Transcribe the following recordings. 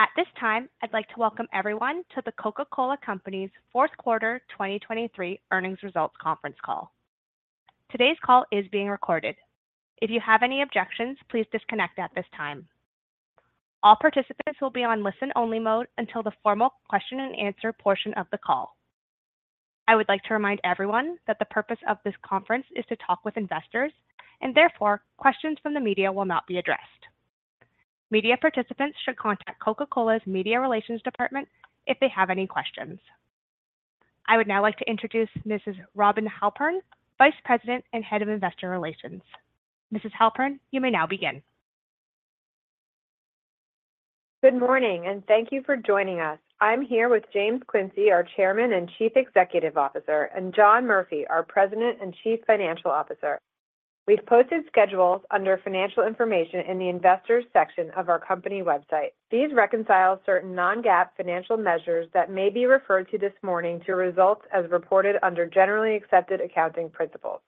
At this time, I'd like to welcome everyone to the Coca-Cola Company's Q4 2023 Earnings Results Conference Call. Today's call is being recorded. If you have any objections, please disconnect at this time. All participants will be on listen-only mode until the formal question-and-answer portion of the call. I would like to remind everyone that the purpose of this conference is to talk with investors, and therefore questions from the media will not be addressed. Media participants should contact Coca-Cola's Media Relations Department if they have any questions. I would now like to introduce Mrs. Robin Halpern, Vice President and Head of Investor Relations. Mrs. Halpern, you may now begin. Good morning, and thank you for joining us. I'm here with James Quincey, our Chairman and Chief Executive Officer, and John Murphy, our President and Chief Financial Officer. We've posted schedules under Financial Information in the Investors section of our company website. These reconcile certain non-GAAP financial measures that may be referred to this morning to results as reported under Generally Accepted Accounting Principles.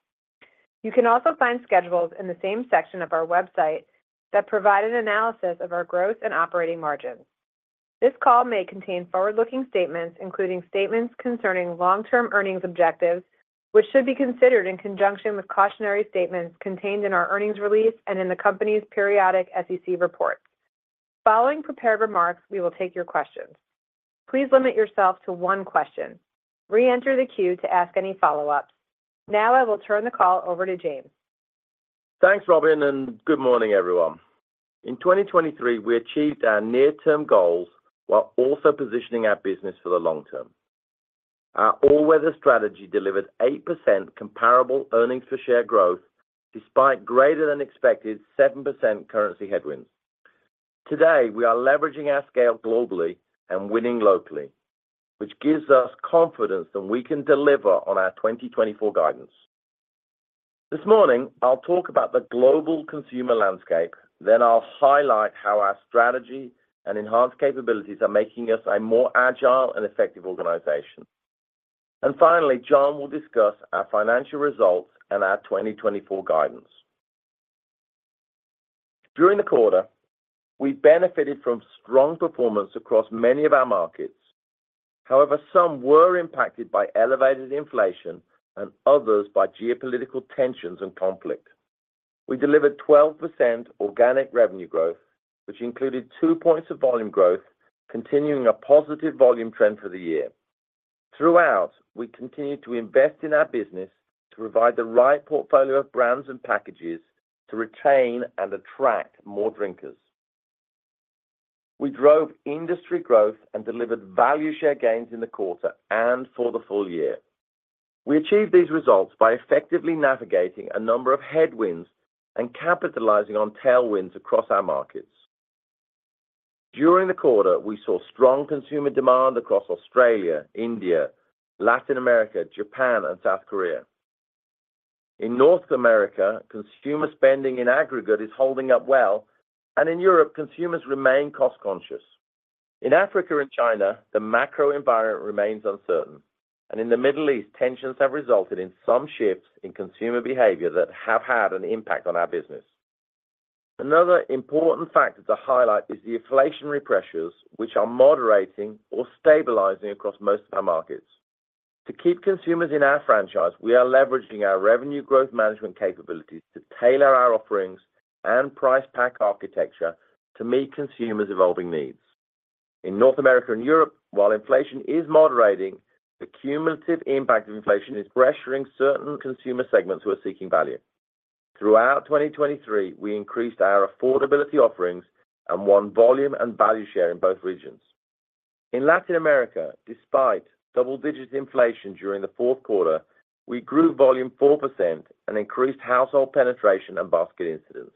You can also find schedules in the same section of our website that provide an analysis of our growth and operating margins. This call may contain forward-looking statements, including statements concerning long-term earnings objectives, which should be considered in conjunction with cautionary statements contained in our earnings release and in the company's periodic SEC reports. Following prepared remarks, we will take your questions. Please limit yourself to one question. Re-enter the queue to ask any follow-ups. Now I will turn the call over to James. Thanks, Robin, and good morning, everyone. In 2023, we achieved our near-term goals while also positioning our business for the long term. Our all-weather strategy delivered 8% Comparable Earnings Per Share growth despite greater than expected 7% currency headwinds. Today, we are leveraging our scale globally and winning locally, which gives us confidence that we can deliver on our 2024 guidance. This morning, I'll talk about the global consumer landscape, then I'll highlight how our strategy and enhanced capabilities are making us a more agile and effective organization. Finally, John will discuss our financial results and our 2024 guidance. During the quarter, we benefited from strong performance across many of our markets. However, some were impacted by elevated inflation and others by geopolitical tensions and conflict. We delivered 12% Organic Revenue Growth, which included two points of volume growth, continuing a positive volume trend for the year. Throughout, we continued to invest in our business to provide the right portfolio of brands and packages to retain and attract more drinkers. We drove industry growth and delivered value share gains in the quarter and for the full year. We achieved these results by effectively navigating a number of headwinds and capitalizing on tailwinds across our markets. During the quarter, we saw strong consumer demand across Australia, India, Latin America, Japan, and South Korea. In North America, consumer spending in aggregate is holding up well, and in Europe, consumers remain cost-conscious. In Africa and China, the macro environment remains uncertain, and in the Middle East, tensions have resulted in some shifts in consumer behavior that have had an impact on our business. Another important factor to highlight is the inflationary pressures, which are moderating or stabilizing across most of our markets. To keep consumers in our franchise, we are leveraging our Revenue Growth Management capabilities to tailor our offerings and Price Pack Architecture to meet consumers' evolving needs. In North America and Europe, while inflation is moderating, the cumulative impact of inflation is pressuring certain consumer segments who are seeking value. Throughout 2023, we increased our affordability offerings and won volume and value share in both regions. In Latin America, despite double-digit inflation during the Q4, we grew volume 4% and increased household penetration and basket incidence.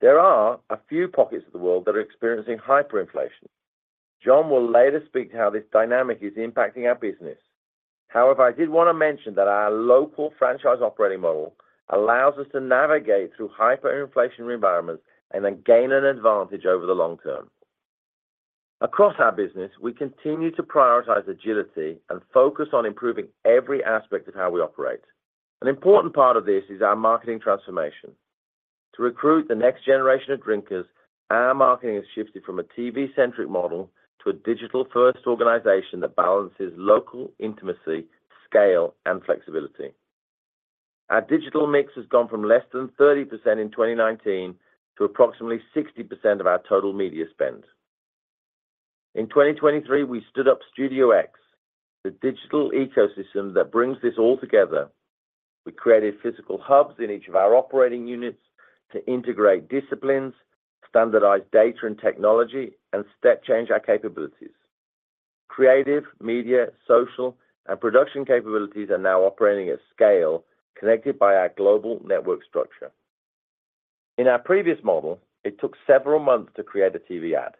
There are a few pockets of the world that are experiencing hyperinflation. John will later speak to how this dynamic is impacting our business. However, I did want to mention that our local franchise operating model allows us to navigate through hyperinflationary environments and then gain an advantage over the long term. Across our business, we continue to prioritize agility and focus on improving every aspect of how we operate. An important part of this is our marketing transformation. To recruit the next generation of drinkers, our marketing has shifted from a TV-centric model to a digital-first organization that balances local intimacy, scale, and flexibility. Our digital mix has gone from less than 30% in 2019 to approximately 60% of our total media spend. In 2023, we stood up Studio X, the digital ecosystem that brings this all together. We created physical hubs in each of our operating units to integrate disciplines, standardize data and technology, and step-change our capabilities. Creative, media, social, and production capabilities are now operating at scale connected by our global network structure. In our previous model, it took several months to create a TV ad.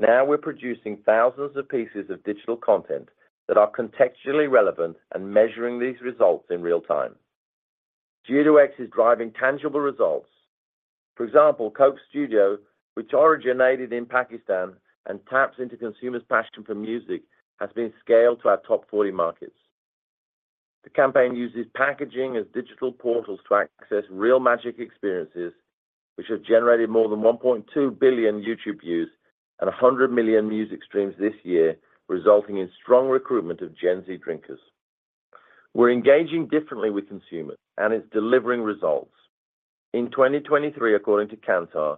Now we're producing thousands of pieces of digital content that are contextually relevant and measuring these results in real time. Studio X is driving tangible results. For example, Coke Studio, which originated in Pakistan and taps into consumers' passion for music, has been scaled to our top 40 markets. The campaign uses packaging as digital portals to access real magic experiences, which have generated more than 1.2 billion YouTube views and 100 million music streams this year, resulting in strong recruitment of Gen Z drinkers. We're engaging differently with consumers, and it's delivering results. In 2023, according to Kantar,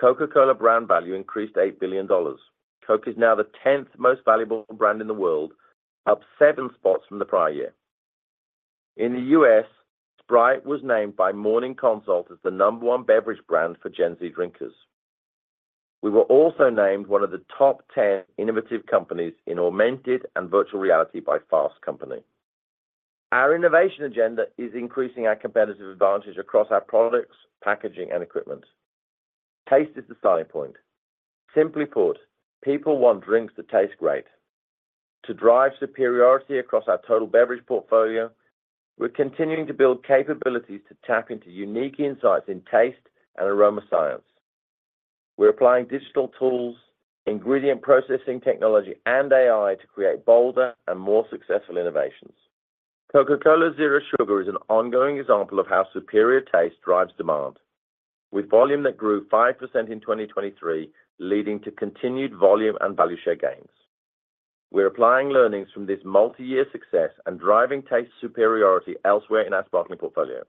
Coca-Cola brand value increased $8 billion. Coke is now the 10th most valuable brand in the world, up seven spots from the prior year. In the U.S., Sprite was named by Morning Consult as the number one beverage brand for Gen Z drinkers. We were also named one of the top 10 innovative companies in augmented and virtual reality by Fast Company. Our innovation agenda is increasing our competitive advantage across our products, packaging, and equipment. Taste is the starting point. Simply put, people want drinks that taste great. To drive superiority across our total beverage portfolio, we're continuing to build capabilities to tap into unique insights in taste and aroma science. We're applying digital tools, ingredient processing technology, and AI to create bolder and more successful innovations. Coca-Cola Zero Sugar is an ongoing example of how superior taste drives demand, with volume that grew 5% in 2023, leading to continued volume and value share gains. We're applying learnings from this multi-year success and driving taste superiority elsewhere in our sparkling portfolio.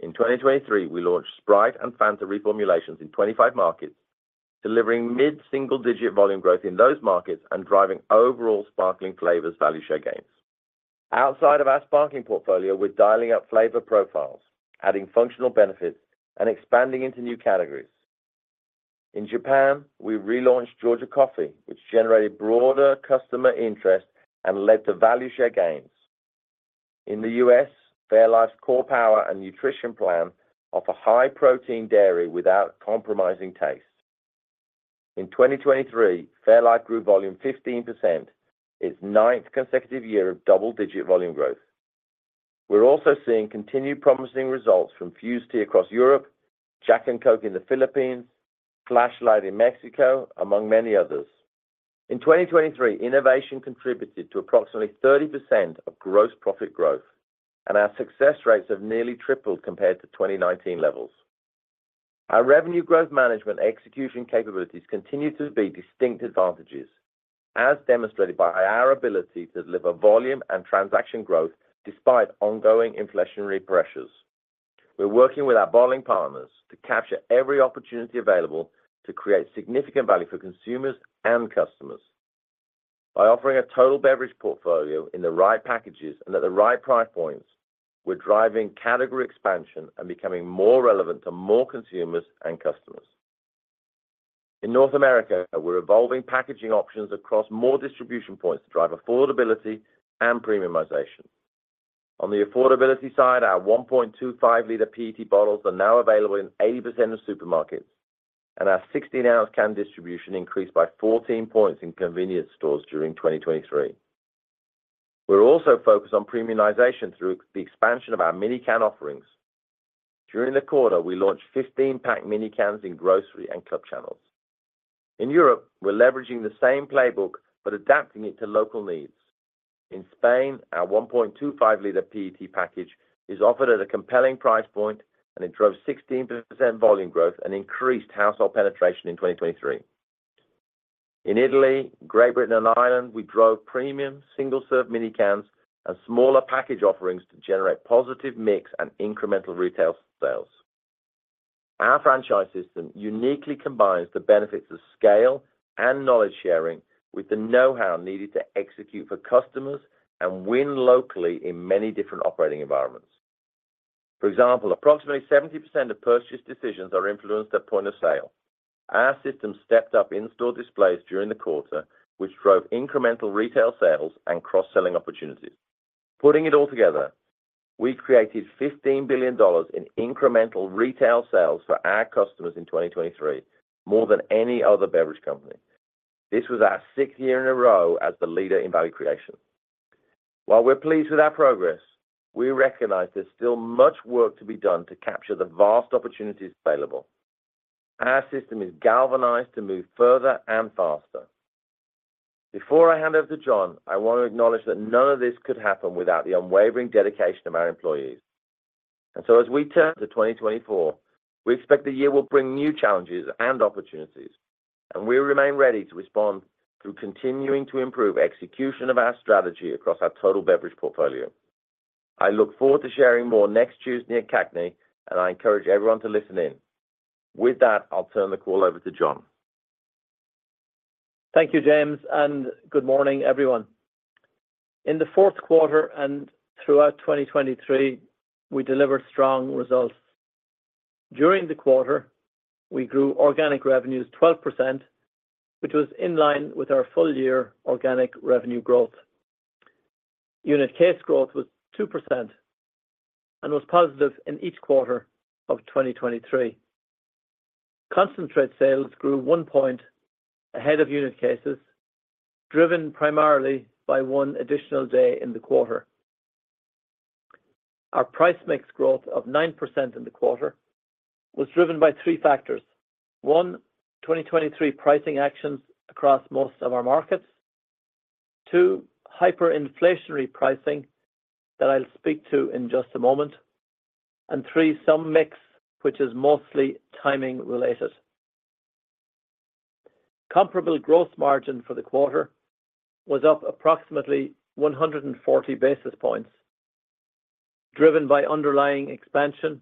In 2023, we launched Sprite and Fanta reformulations in 25 markets, delivering mid-single-digit volume growth in those markets and driving overall sparkling flavors value share gains. Outside of our sparkling portfolio, we're dialing up flavor profiles, adding functional benefits, and expanding into new categories. In Japan, we relaunched Georgia Coffee, which generated broader customer interest and led to value share gains. In the U.S., fairlife's Core Power and nutrition plan offer high-protein dairy without compromising taste. In 2023, fairlife grew volume 15%, its ninth consecutive year of double-digit volume growth. We're also seeing continued promising results from Fuze Tea across Europe, Jack and Coke in the Philippines, Flashlyte in Mexico, among many others. In 2023, innovation contributed to approximately 30% of gross profit growth, and our success rates have nearly tripled compared to 2019 levels. Our revenue growth management execution capabilities continue to be distinct advantages, as demonstrated by our ability to deliver volume and transaction growth despite ongoing inflationary pressures. We're working with our bottling partners to capture every opportunity available to create significant value for consumers and customers. By offering a total beverage portfolio in the right packages and at the right price points, we're driving category expansion and becoming more relevant to more consumers and customers. In North America, we're evolving packaging options across more distribution points to drive affordability and premiumization. On the affordability side, our 1.25-liter PET bottles are now available in 80% of supermarkets, and our 16-ounce can distribution increased by 14 points in convenience stores during 2023. We're also focused on premiumization through the expansion of our mini can offerings. During the quarter, we launched 15-pack mini cans in grocery and club channels. In Europe, we're leveraging the same playbook but adapting it to local needs. In Spain, our 1.25-liter PET package is offered at a compelling price point, and it drove 16% volume growth and increased household penetration in 2023. In Italy, Great Britain, and Ireland, we drove premium single-serve mini cans and smaller package offerings to generate positive mix and incremental retail sales. Our franchise system uniquely combines the benefits of scale and knowledge sharing with the know-how needed to execute for customers and win locally in many different operating environments. For example, approximately 70% of purchase decisions are influenced at point of sale. Our system stepped up in-store displays during the quarter, which drove incremental retail sales and cross-selling opportunities. Putting it all together, we created $15 billion in incremental retail sales for our customers in 2023, more than any other beverage company. This was our sixth year in a row as the leader in value creation. While we're pleased with our progress, we recognize there's still much work to be done to capture the vast opportunities available. Our system is galvanized to move further and faster. Before I hand over to John, I want to acknowledge that none of this could happen without the unwavering dedication of our employees. And so, as we turn to 2024, we expect the year will bring new challenges and opportunities, and we remain ready to respond through continuing to improve execution of our strategy across our total beverage portfolio. I look forward to sharing more next Tuesday at CAGNY, and I encourage everyone to listen in. With that, I'll turn the call over to John. Thank you, James, and good morning, everyone. In the Q4 and throughout 2023, we delivered strong results. During the quarter, we grew organic revenues 12%, which was in line with our full-year organic revenue growth. Unit case growth was 2% and was positive in each quarter of 2023. Concentrate sales grew one point ahead of unit cases, driven primarily by one additional day in the quarter. Our price mix growth of 9% in the quarter was driven by three factors: one, 2023 pricing actions across most of our markets; two, hyperinflationary pricing that I'll speak to in just a moment; and three, some mix, which is mostly timing-related. Comparable growth margin for the quarter was up approximately 140 basis points, driven by underlying expansion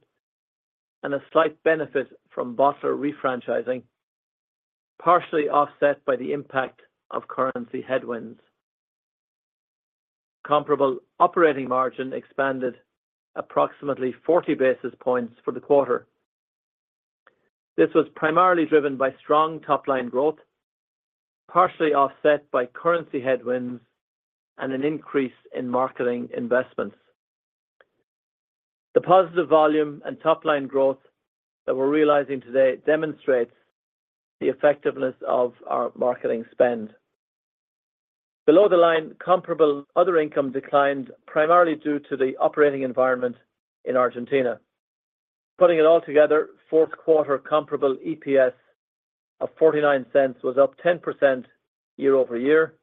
and a slight benefit from bottler refranchising, partially offset by the impact of currency headwinds. Comparable operating margin expanded approximately 40 basis points for the quarter. This was primarily driven by strong top-line growth, partially offset by currency headwinds and an increase in marketing investments. The positive volume and top-line growth that we're realizing today demonstrates the effectiveness of our marketing spend. Below the line, comparable other income declined primarily due to the operating environment in Argentina. Putting it all together, fourth-quarter comparable EPS of 0.49 was up 10% year-over-year,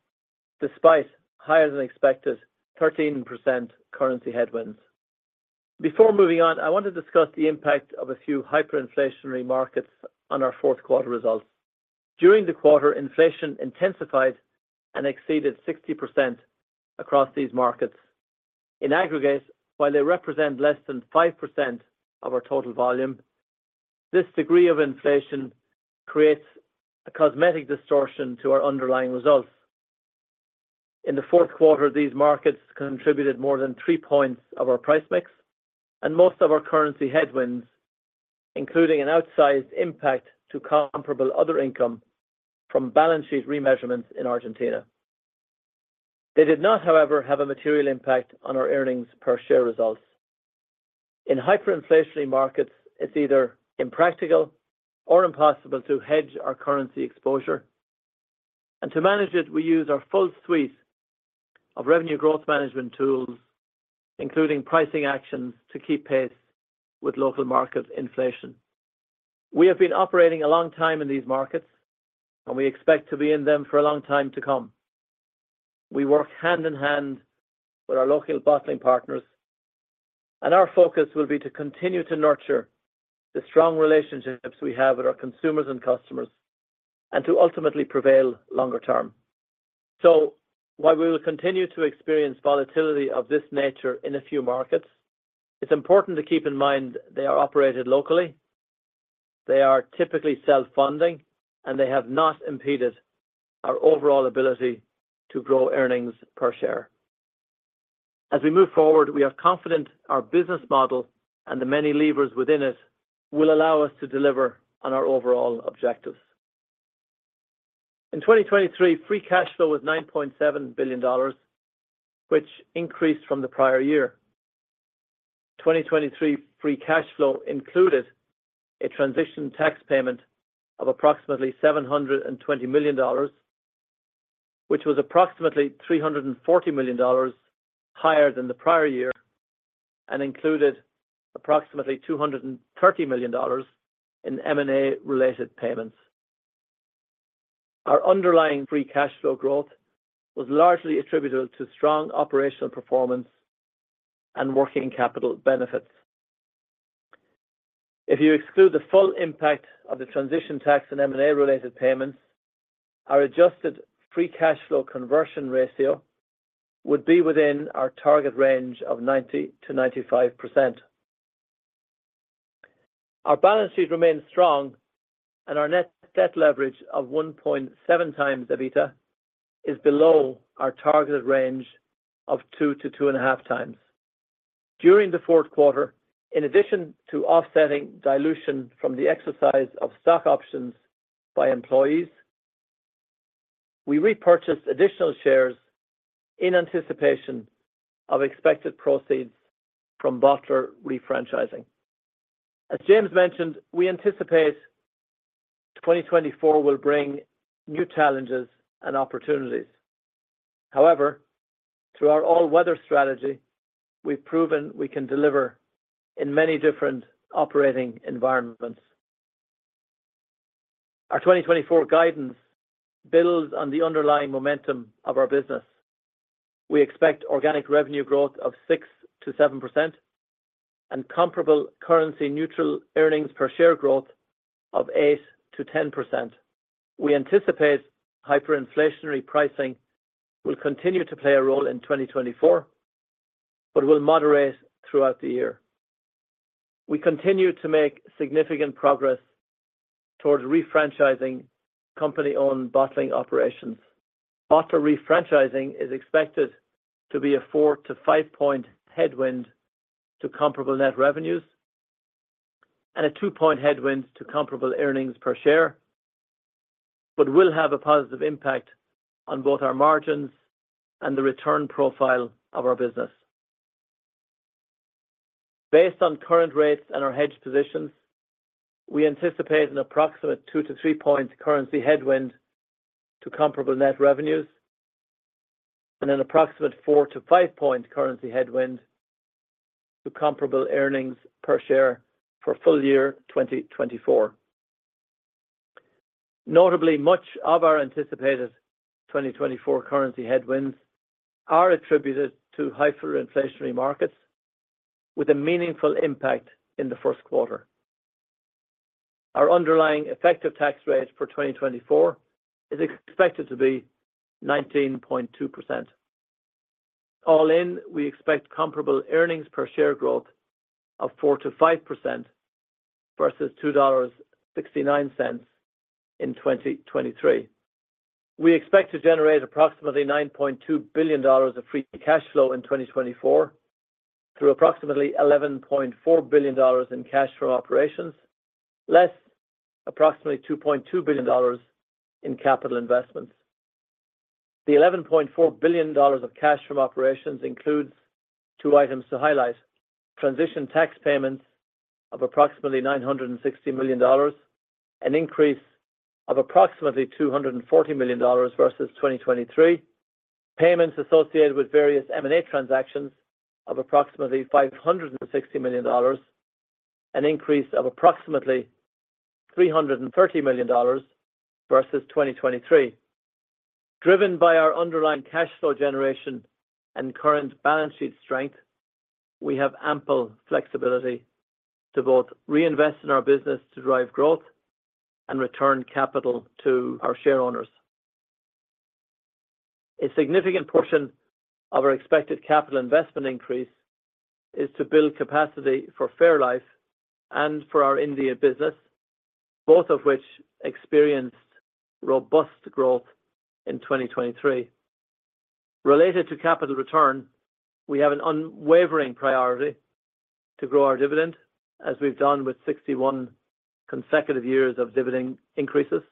despite higher-than-expected 13% currency headwinds. Before moving on, I want to discuss the impact of a few hyperinflationary markets on our fourth-quarter results. During the quarter, inflation intensified and exceeded 60% across these markets. In aggregate, while they represent less than 5% of our total volume, this degree of inflation creates a cosmetic distortion to our underlying results. In the Q4, these markets contributed more than three points of our price mix, and most of our currency headwinds, including an outsized impact to comparable other income from balance sheet remeasurements in Argentina. They did not, however, have a material impact on our earnings per share results. In hyperinflationary markets, it's either impractical or impossible to hedge our currency exposure. To manage it, we use our full suite of revenue growth management tools, including pricing actions to keep pace with local market inflation. We have been operating a long time in these markets, and we expect to be in them for a long time to come. We work hand in hand with our local bottling partners, and our focus will be to continue to nurture the strong relationships we have with our consumers and customers and to ultimately prevail longer term. So while we will continue to experience volatility of this nature in a few markets, it's important to keep in mind they are operated locally, they are typically self-funding, and they have not impeded our overall ability to grow earnings per share. As we move forward, we are confident our business model and the many levers within it will allow us to deliver on our overall objectives. In 2023, free cash flow was $9.7 billion, which increased from the prior year. 2023 free cash flow included a transition tax payment of approximately $720 million, which was approximately $340 million higher than the prior year and included approximately $230 million in M&A-related payments. Our underlying free cash flow growth was largely attributable to strong operational performance and working capital benefits. If you exclude the full impact of the transition tax and M&A-related payments, our adjusted free cash flow conversion ratio would be within our target range of 90%-95%. Our balance sheet remains strong, and our net debt leverage of 1.7 times EBITDA is below our targeted range of 2-2.5 times. During the Q4, in addition to offsetting dilution from the exercise of stock options by employees, we repurchased additional shares in anticipation of expected proceeds from bottler refranchising. As James mentioned, we anticipate 2024 will bring new challenges and opportunities. However, through our all-weather strategy, we've proven we can deliver in many different operating environments. Our 2024 guidance builds on the underlying momentum of our business. We expect organic revenue growth of 6%-7% and comparable currency-neutral earnings per share growth of 8%-10%. We anticipate hyperinflationary pricing will continue to play a role in 2024 but will moderate throughout the year. We continue to make significant progress towards refranchising company-owned bottling operations. Bottler refranchising is expected to be a 4-5-point headwind to comparable net revenues and a 2-point headwind to comparable earnings per share but will have a positive impact on both our margins and the return profile of our business. Based on current rates and our hedge positions, we anticipate an approximate 2-3-point currency headwind to comparable net revenues and an approximate 4-5-point currency headwind to comparable earnings per share for full year 2024. Notably, much of our anticipated 2024 currency headwinds are attributed to hyperinflationary markets with a meaningful impact in the Q1. Our underlying effective tax rate for 2024 is expected to be 19.2%. All in, we expect comparable earnings per share growth of 4%-5% versus $2.69 in 2023. We expect to generate approximately $9.2 billion of free cash flow in 2024 through approximately $11.4 billion in cash from operations, less approximately $2.2 billion in capital investments. The $11.4 billion of cash from operations includes two items to highlight: transition tax payments of approximately $960 million, an increase of approximately $240 million versus 2023. Payments associated with various M&A transactions of approximately $560 million, an increase of approximately $330 million versus 2023. Driven by our underlying cash flow generation and current balance sheet strength, we have ample flexibility to both reinvest in our business to drive growth and return capital to our shareholders. A significant portion of our expected capital investment increase is to build capacity for Fairlife and for our India business, both of which experienced robust growth in 2023. Related to capital return, we have an unwavering priority to grow our dividend, as we've done with 61 consecutive years of dividend increases.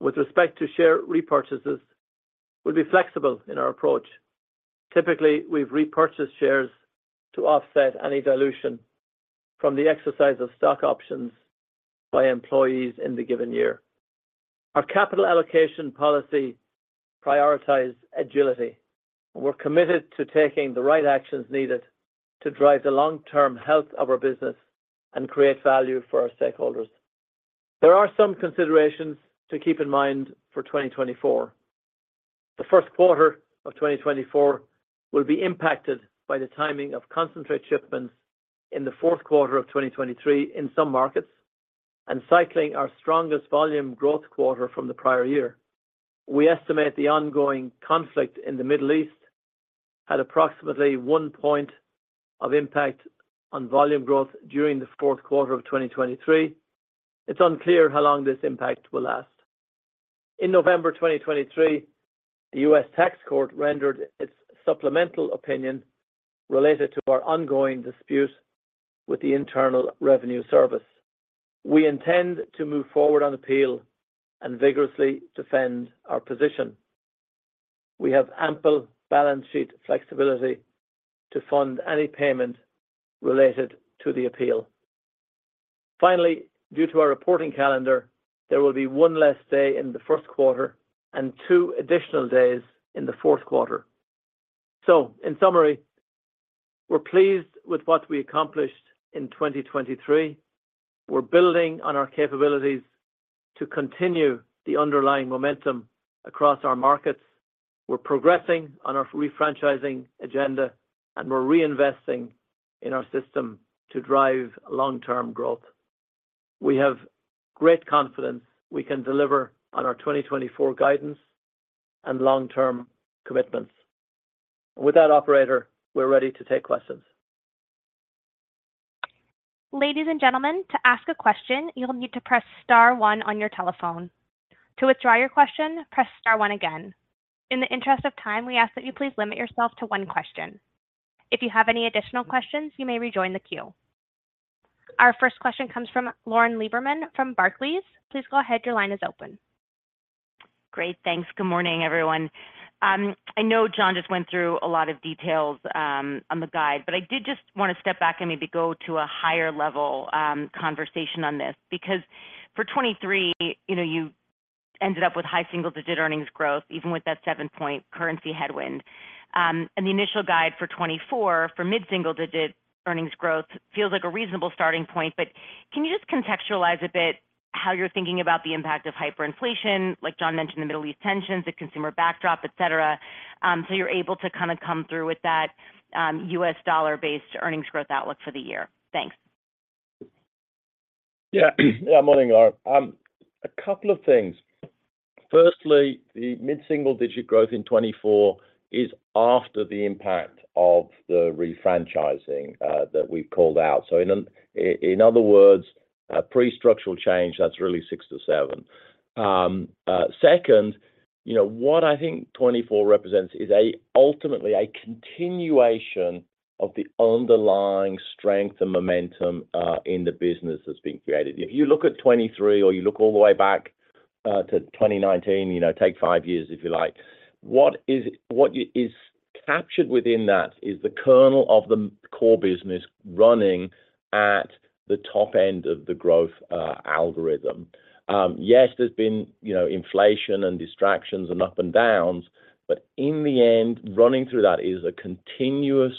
With respect to share repurchases, we'll be flexible in our approach. Typically, we've repurchased shares to offset any dilution from the exercise of stock options by employees in the given year. Our capital allocation policy prioritizes agility, and we're committed to taking the right actions needed to drive the long-term health of our business and create value for our stakeholders. There are some considerations to keep in mind for 2024. The Q1 of 2024 will be impacted by the timing of concentrate shipments in the Q4 of 2023 in some markets and cycling our strongest volume growth quarter from the prior year. We estimate the ongoing conflict in the Middle East had approximately one point of impact on volume growth during the Q4 of 2023. It's unclear how long this impact will last. In November 2023, the U.S. Tax Court rendered its supplemental opinion related to our ongoing dispute with the Internal Revenue Service. We intend to move forward on appeal and vigorously defend our position. We have ample balance sheet flexibility to fund any payment related to the appeal. Finally, due to our reporting calendar, there will be one less day in the Q1 and two additional days in the Q4. So, in summary, we're pleased with what we accomplished in 2023. We're building on our capabilities to continue the underlying momentum across our markets. We're progressing on our refranchising agenda, and we're reinvesting in our system to drive long-term growth. We have great confidence we can deliver on our 2024 guidance and long-term commitments. With that, operator, we're ready to take questions. Ladies and gentlemen, to ask a question, you'll need to press star one on your telephone. To withdraw your question, press star one again. In the interest of time, we ask that you please limit yourself to one question. If you have any additional questions, you may rejoin the queue. Our first question comes from Lauren Lieberman from Barclays. Please go ahead. Your line is open. Great. Thanks. Good morning, everyone. I know John just went through a lot of details on the guide, but I did just want to step back and maybe go to a higher-level conversation on this because for 2023, you ended up with high single-digit earnings growth, even with that seven-point currency headwind. The initial guide for 2024 for mid-single-digit earnings growth feels like a reasonable starting point, but can you just contextualize a bit how you're thinking about the impact of hyperinflation, like John mentioned, the Middle East tensions, the consumer backdrop, etc., so you're able to kind of come through with that US dollar-based earnings growth outlook for the year? Thanks. Yeah. Yeah. Morning, Lauren. A couple of things. Firstly, the mid-single-digit growth in 2024 is after the impact of the refranchising that we've called out. So in other words, pre-structural change, that's really 6-7. Second, what I think 2024 represents is ultimately a continuation of the underlying strength and momentum in the business that's being created. If you look at 2023 or you look all the way back to 2019, take five years if you like, what is captured within that is the kernel of the core business running at the top end of the growth algorithm. Yes, there's been inflation and distractions and up and downs, but in the end, running through that is a continuous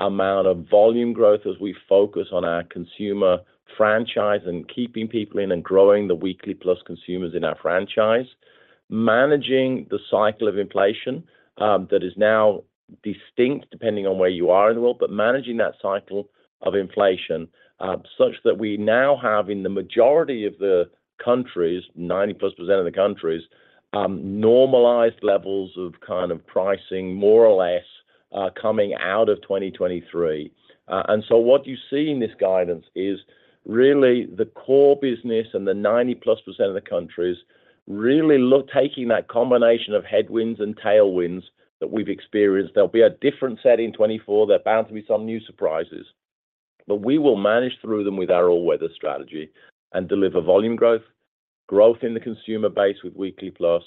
amount of volume growth as we focus on our consumer franchise and keeping people in and growing the weekly-plus consumers in our franchise, managing the cycle of inflation that is now distinct depending on where you are in the world, but managing that cycle of inflation such that we now have in the majority of the countries, 90+% of the countries, normalized levels of kind of pricing, more or less, coming out of 2023. So what you see in this guidance is really the core business and the 90+% of the countries really taking that combination of headwinds and tailwinds that we've experienced. There'll be a different set in 2024. There are bound to be some new surprises, but we will manage through them with our all-weather strategy and deliver volume growth, growth in the consumer base with weekly-plus.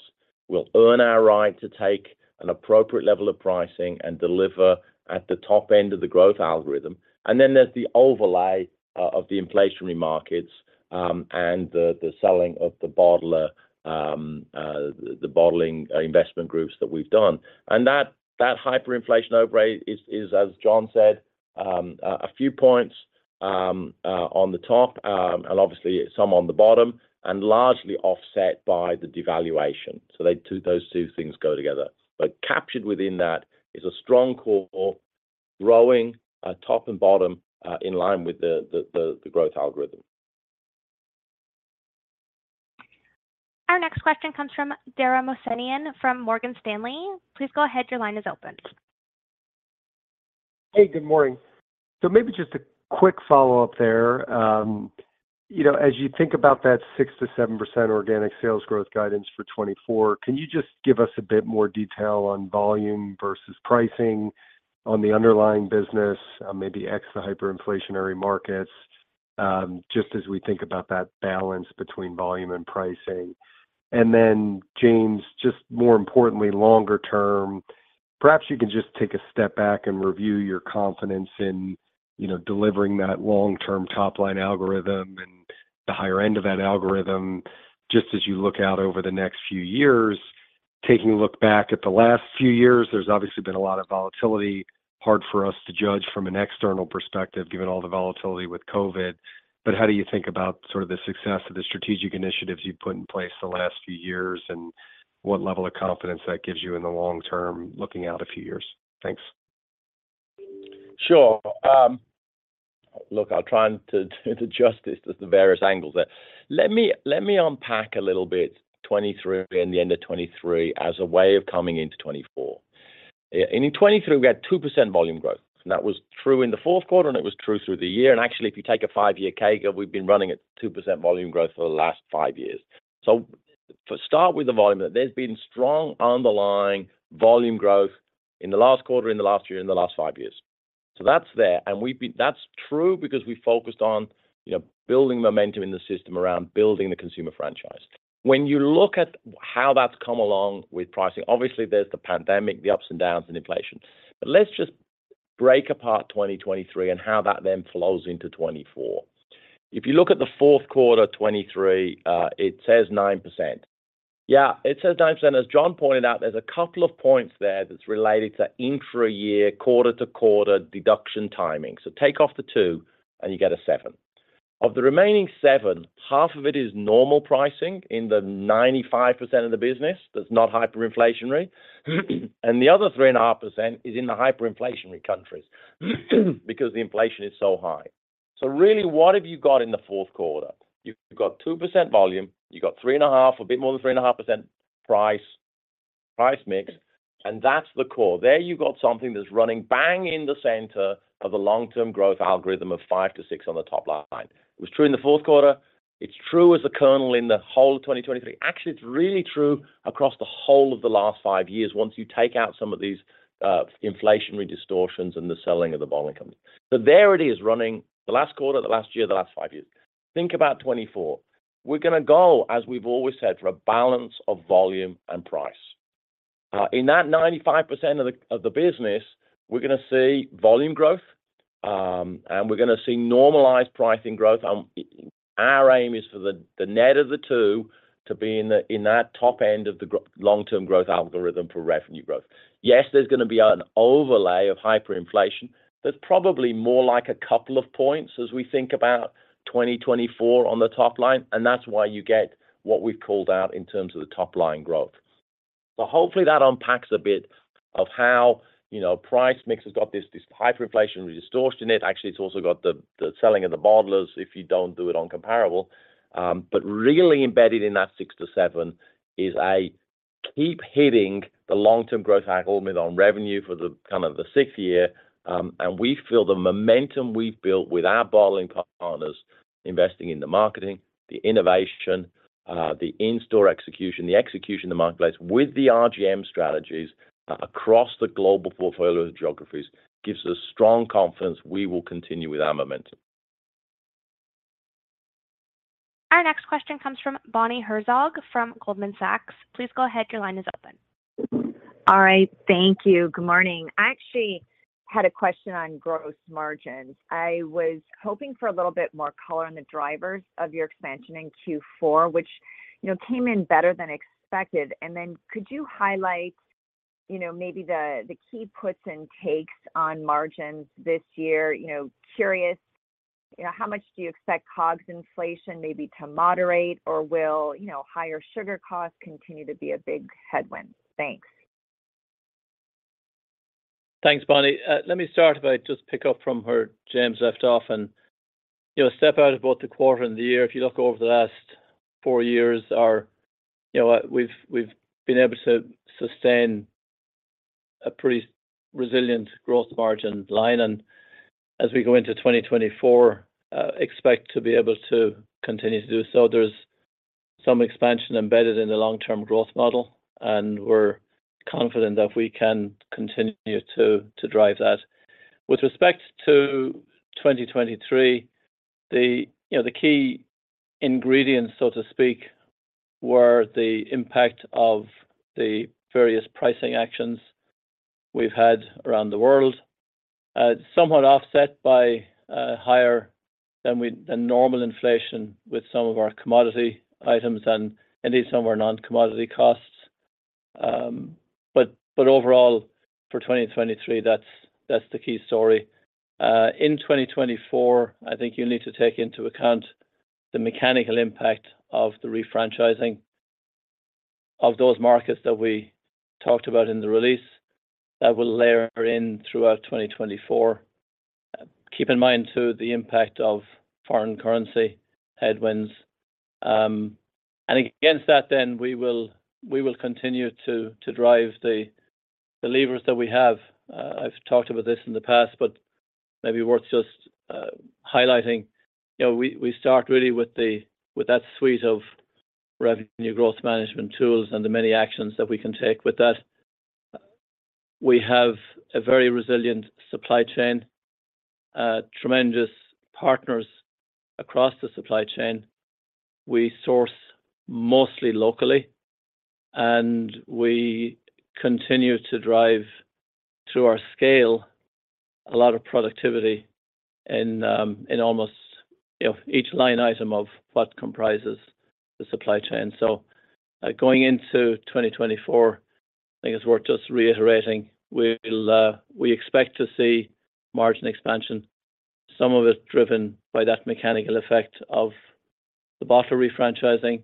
We'll earn our right to take an appropriate level of pricing and deliver at the top end of the growth algorithm. Then there's the overlay of the inflationary markets and the selling of the bottling investment groups that we've done. That hyperinflation overlay is, as John said, a few points on the top and obviously some on the bottom and largely offset by the devaluation. Those two things go together. Captured within that is a strong core growing top and bottom in line with the growth algorithm. Our next question comes from Dara Mohsenian from Morgan Stanley. Please go ahead. Your line is open. Hey. Good morning. So maybe just a quick follow-up there. As you think about that 6%-7% organic sales growth guidance for 2024, can you just give us a bit more detail on volume versus pricing on the underlying business, maybe ex the hyperinflationary markets, just as we think about that balance between volume and pricing? And then, James, just more importantly, longer term, perhaps you can just take a step back and review your confidence in delivering that long-term top-line algorithm and the higher end of that algorithm just as you look out over the next few years. Taking a look back at the last few years, there's obviously been a lot of volatility. Hard for us to judge from an external perspective given all the volatility with COVID. How do you think about sort of the success of the strategic initiatives you've put in place the last few years and what level of confidence that gives you in the long term looking out a few years? Thanks. Sure. Look, I'll try to adjust this to the various angles there. Let me unpack a little bit 2023 and the end of 2023 as a way of coming into 2024. In 2023, we had 2% volume growth, and that was true in the Q4, and it was true through the year. Actually, if you take a five-year CAGR, we've been running at 2% volume growth for the last five years. So start with the volume. There's been strong underlying volume growth in the last quarter, in the last year, in the last five years. So that's there. That's true because we focused on building momentum in the system around building the consumer franchise. When you look at how that's come along with pricing, obviously, there's the pandemic, the ups and downs, and inflation. Let's just break apart 2023 and how that then flows into 2024. If you look at the Q4 2023, it says 9%. Yeah. It says 9%. As John pointed out, there's a couple of points there that's related to intra-year, quarter-to-quarter deduction timing. So take off the two, and you get a seven. Of the remaining seven, half of it is normal pricing in the 95% of the business that's not hyperinflationary, and the other 3.5% is in the hyperinflationary countries because the inflation is so high. So really, what have you got in the Q4? You've got 2% volume. You've got 3.5, a bit more than 3.5% price mix. That's the core. There, you've got something that's running bang in the center of the long-term growth algorithm of 5%-6% on the top line. It was true in the Q4. It's true as a kernel in the whole of 2023. Actually, it's really true across the whole of the last five years once you take out some of these inflationary distortions and the selling of the bottling companies. So there it is running the last quarter, the last year, the last five years. Think about 2024. We're going to go, as we've always said, for a balance of volume and price. In that 95% of the business, we're going to see volume growth, and we're going to see normalized pricing growth. Our aim is for the net of the two to be in that top end of the long-term growth algorithm for revenue growth. Yes, there's going to be an overlay of hyperinflation. That's probably more like a couple of points as we think about 2024 on the top line. And that's why you get what we've called out in terms of the top-line growth. So hopefully, that unpacks a bit of how price mix has got this hyperinflationary distortion in it. Actually, it's also got the selling of the bottlers if you don't do it on comparable. But really embedded in that 6-7 is a keep-hitting the long-term growth algorithm on revenue for kind of the sixth year. And we feel the momentum we've built with our bottling partners investing in the marketing, the innovation, the in-store execution, the execution in the marketplace with the RGM strategies across the global portfolio of geographies gives us strong confidence we will continue with our momentum. Our next question comes from Bonnie Herzog from Goldman Sachs. Please go ahead. Your line is open. All right. Thank you. Good morning. I actually had a question on gross margins. I was hoping for a little bit more color on the drivers of your expansion in Q4, which came in better than expected. And then could you highlight maybe the key puts and takes on margins this year? Curious, how much do you expect COGS inflation maybe to moderate, or will higher sugar costs continue to be a big headwind? Thanks. Thanks, Bonnie. Let me start by just pick up from where James left off and step out of both the quarter and the year. If you look over the last four years, we've been able to sustain a pretty resilient growth margin line. And as we go into 2024, expect to be able to continue to do so. There's some expansion embedded in the long-term growth model, and we're confident that we can continue to drive that. With respect to 2023, the key ingredients, so to speak, were the impact of the various pricing actions we've had around the world, somewhat offset by higher than normal inflation with some of our commodity items and indeed some of our non-commodity costs. But overall, for 2023, that's the key story. In 2024, I think you'll need to take into account the mechanical impact of the refranchising of those markets that we talked about in the release that will layer in throughout 2024. Keep in mind, too, the impact of foreign currency headwinds. Against that, then, we will continue to drive the levers that we have. I've talked about this in the past, but maybe worth just highlighting. We start really with that suite of Revenue Growth Management tools and the many actions that we can take with that. We have a very resilient supply chain, tremendous partners across the supply chain. We source mostly locally, and we continue to drive, through our scale, a lot of productivity in almost each line item of what comprises the supply chain. Going into 2024, I think it's worth just reiterating, we expect to see margin expansion, some of it driven by that mechanical effect of the bottler refranchising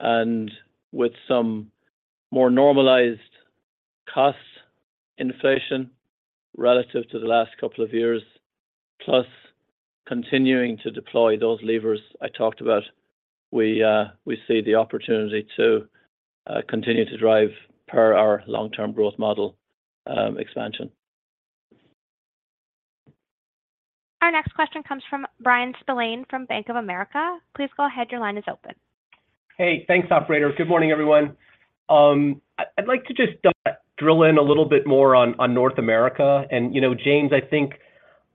and with some more normalized cost inflation relative to the last couple of years, plus continuing to deploy those levers I talked about. We see the opportunity to continue to drive per our long-term growth model expansion. Our next question comes from Bryan Spillane from Bank of America. Please go ahead. Your line is open. Hey. Thanks, operator. Good morning, everyone. I'd like to just drill in a little bit more on North America. And James, I think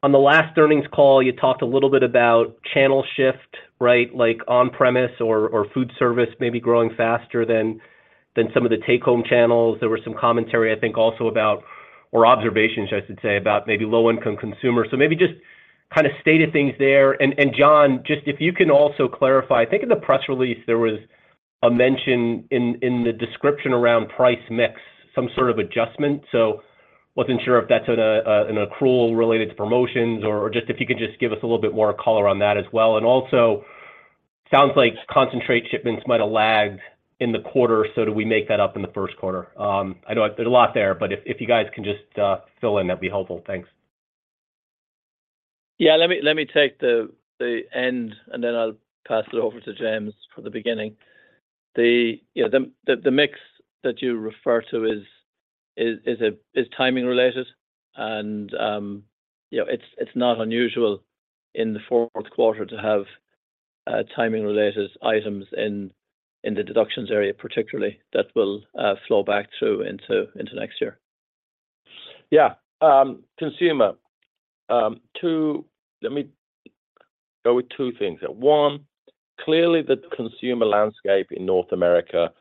on the last earnings call, you talked a little bit about channel shift, right, like on-premise or food service maybe growing faster than some of the take-home channels. There was some commentary, I think, also about or observations, I should say, about maybe low-income consumers. So maybe just kind of state of things there. And John, just if you can also clarify, I think in the press release, there was a mention in the description around price mix, some sort of adjustment. So wasn't sure if that's an accrual related to promotions or just if you could just give us a little bit more color on that as well. And also, it sounds like concentrate shipments might have lagged in the quarter. Do we make that up in the Q1? I know there's a lot there, but if you guys can just fill in, that'd be helpful. Thanks. Yeah. Let me take the end, and then I'll pass it over to James for the beginning. The mix that you refer to is timing-related, and it's not unusual in the Q4 to have timing-related items in the deductions area, particularly that will flow back through into next year. Yeah. Consumer. Let me go with two things there. One, clearly, the consumer landscape in North America,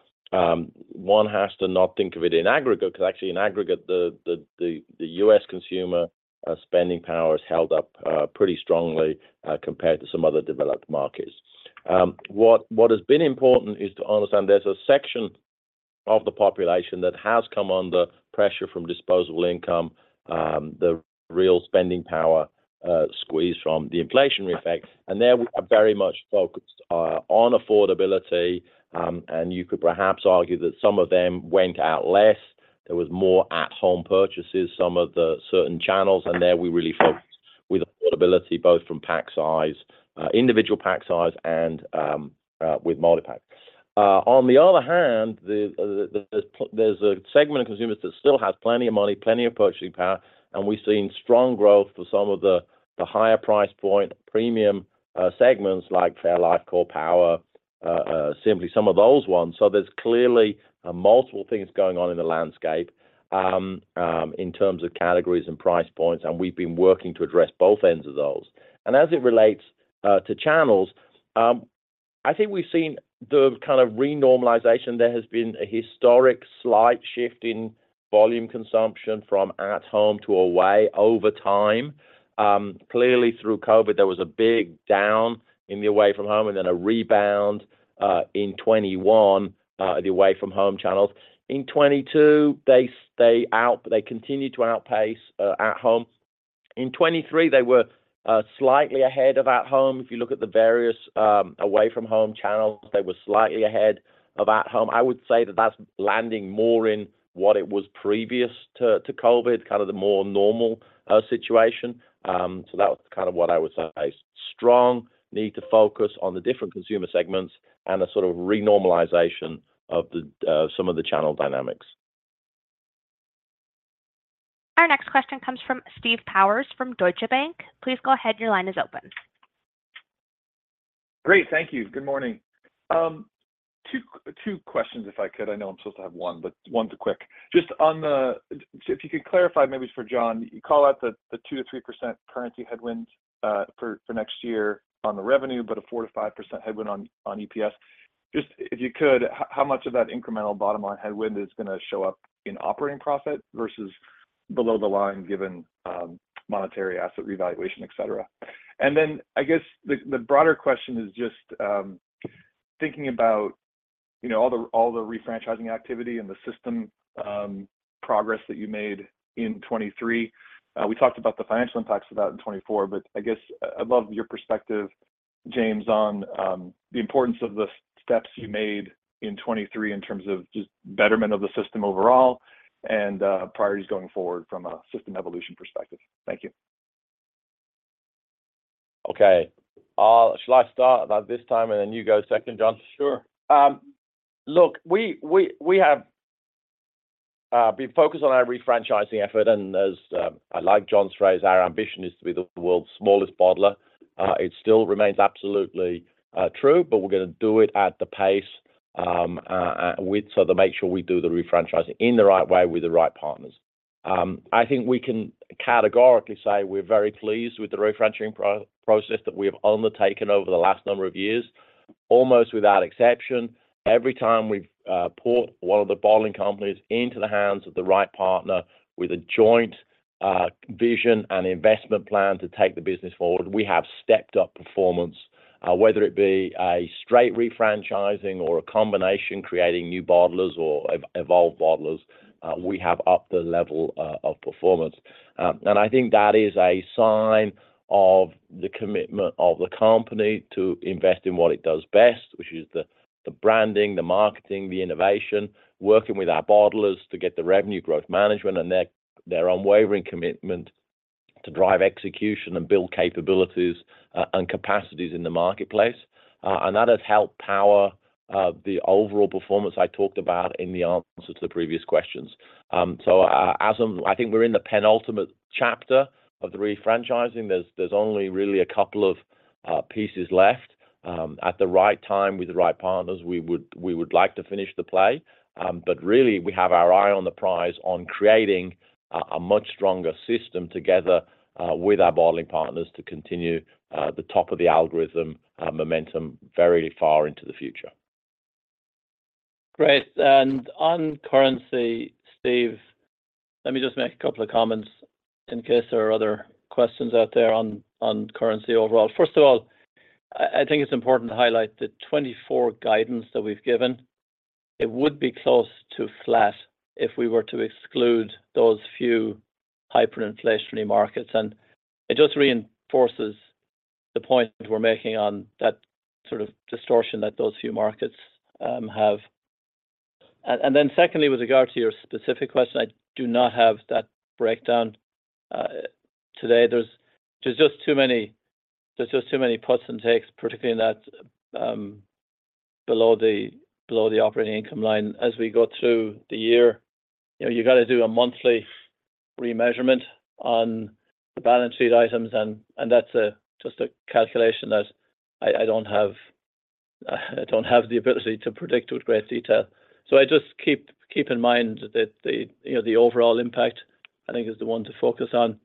one has to not think of it in aggregate because actually, in aggregate, the U.S. consumer spending power is held up pretty strongly compared to some other developed markets. What has been important is to understand there's a section of the population that has come under pressure from disposable income, the real spending power squeeze from the inflationary effect. And there, we are very much focused on affordability. And you could perhaps argue that some of them went out less. There was more at-home purchases, some of the certain channels. And there, we really focused with affordability both from pack size, individual pack size, and with multipack. On the other hand, there's a segment of consumers that still has plenty of money, plenty of purchasing power. We've seen strong growth for some of the higher price point premium segments like fairlife, Core Power, Simply some of those ones. There's clearly multiple things going on in the landscape in terms of categories and price points. We've been working to address both ends of those. As it relates to channels, I think we've seen the kind of renormalization. There has been a historic slight shift in volume consumption from at-home to away over time. Clearly, through COVID, there was a big down in the away-from-home and then a rebound in 2021, the away-from-home channels. In 2022, they continued to outpace at-home. In 2023, they were slightly ahead of at-home. If you look at the various away-from-home channels, they were slightly ahead of at-home. I would say that that's landing more in what it was previous to COVID, kind of the more normal situation. That was kind of what I would say: strong need to focus on the different consumer segments and a sort of renormalization of some of the channel dynamics. Our next question comes from Steve Powers from Deutsche Bank. Please go ahead. Your line is open. Great. Thank you. Good morning. Two questions, if I could. I know I'm supposed to have one, but one's a quick. Just if you could clarify, maybe for John, you call out the 2%-3% currency headwind for next year on the revenue but a 4%-5% headwind on EPS. Just if you could, how much of that incremental bottom-line headwind is going to show up in operating profit versus below the line given monetary asset revaluation, etc.? And then I guess the broader question is just thinking about all the refranchising activity and the system progress that you made in 2023. We talked about the financial impacts of that in 2024, but I guess I'd love your perspective, James, on the importance of the steps you made in 2023 in terms of just betterment of the system overall and priorities going forward from a system evolution perspective. Thank you. Okay. Shall I start this time, and then you go second, John? Sure. Look, we have been focused on our refranchising effort. As I like John's phrase, our ambition is to be the world's smallest bottler. It still remains absolutely true, but we're going to do it at the pace so to make sure we do the refranchising in the right way with the right partners. I think we can categorically say we're very pleased with the refranchising process that we have undertaken over the last number of years, almost without exception. Every time we've put one of the bottling companies into the hands of the right partner with a joint vision and investment plan to take the business forward, we have stepped up performance. Whether it be a straight refranchising or a combination, creating new bottlers or evolved bottlers, we have upped the level of performance. And I think that is a sign of the commitment of the company to invest in what it does best, which is the branding, the marketing, the innovation, working with our bottlers to get the revenue growth management and their unwavering commitment to drive execution and build capabilities and capacities in the marketplace. And that has helped power the overall performance I talked about in the answer to the previous questions. So I think we're in the penultimate chapter of the refranchising. There's only really a couple of pieces left. At the right time, with the right partners, we would like to finish the play. But really, we have our eye on the prize on creating a much stronger system together with our bottling partners to continue the top of the algorithm momentum very far into the future. Great. On currency, Steve, let me just make a couple of comments in case there are other questions out there on currency overall. First of all, I think it's important to highlight the 2024 guidance that we've given. It would be close to flat if we were to exclude those few hyperinflationary markets. It just reinforces the point we're making on that sort of distortion that those few markets have. Secondly, with regard to your specific question, I do not have that breakdown today. There's just too many puts and takes, particularly below the operating income line. As we go through the year, you've got to do a monthly remeasurement on the balance sheet items. That's just a calculation that I don't have the ability to predict with great detail. So I just keep in mind that the overall impact, I think, is the one to focus on.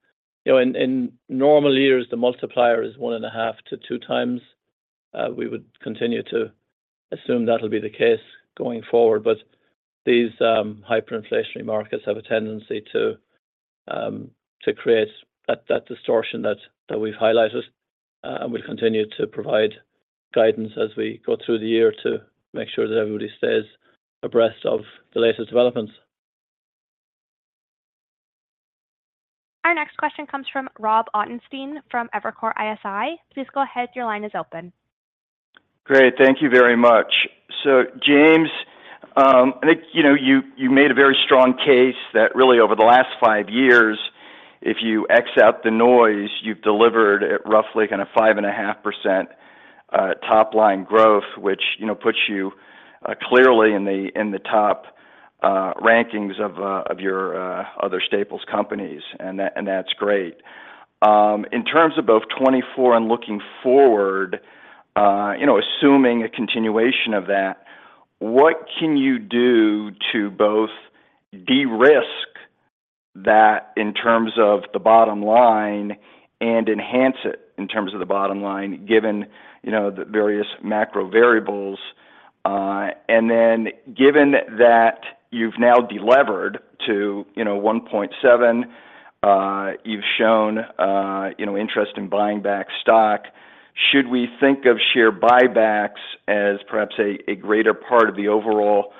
In normal years, the multiplier is 1.5-2 times. We would continue to assume that'll be the case going forward. But these hyperinflationary markets have a tendency to create that distortion that we've highlighted. And we'll continue to provide guidance as we go through the year to make sure that everybody stays abreast of the latest developments. Our next question comes from Robert Ottenstein from Evercore ISI. Please go ahead. Your line is open. Great. Thank you very much. So James, I think you made a very strong case that really, over the last five years, if you X out the noise, you've delivered at roughly kind of 5.5% top-line growth, which puts you clearly in the top rankings of your other staples companies. And that's great. In terms of both 2024 and looking forward, assuming a continuation of that, what can you do to both de-risk that in terms of the bottom line and enhance it in terms of the bottom line given the various macro variables? And then given that you've now delivered to 1.7, you've shown interest in buying back stock, should we think of share buybacks as perhaps a greater part of the overall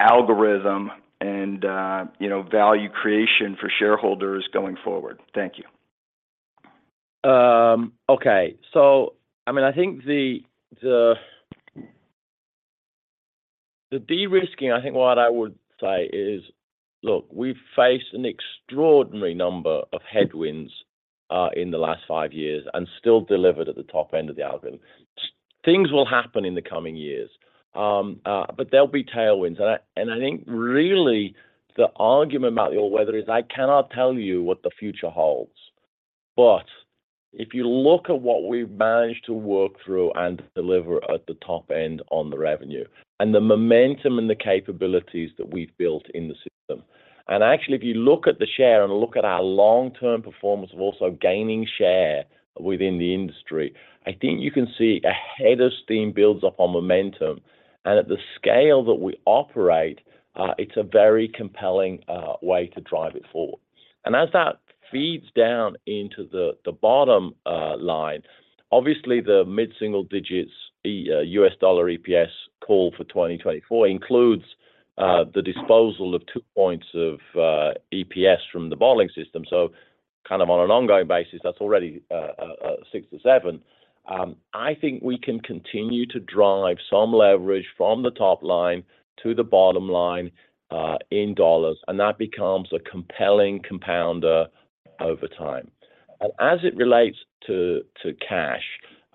algorithm and value creation for shareholders going forward? Thank you. Okay. So I mean, I think the de-risking, I think what I would say is, look, we've faced an extraordinary number of headwinds in the last five years and still delivered at the top end of the algorithm. Things will happen in the coming years, but there'll be tailwinds. And I think really the argument about the all-weather is I cannot tell you what the future holds. But if you look at what we've managed to work through and deliver at the top end on the revenue and the momentum and the capabilities that we've built in the system and actually, if you look at the share and look at our long-term performance of also gaining share within the industry, I think you can see a head of steam builds up on momentum. And at the scale that we operate, it's a very compelling way to drive it forward. As that feeds down into the bottom line, obviously, the mid-single digits U.S. dollar EPS call for 2024 includes the disposal of 2 points of EPS from the bottling system. So kind of on an ongoing basis, that's already a 6-7. I think we can continue to drive some leverage from the top line to the bottom line in dollars. And that becomes a compelling compounder over time. And as it relates to cash,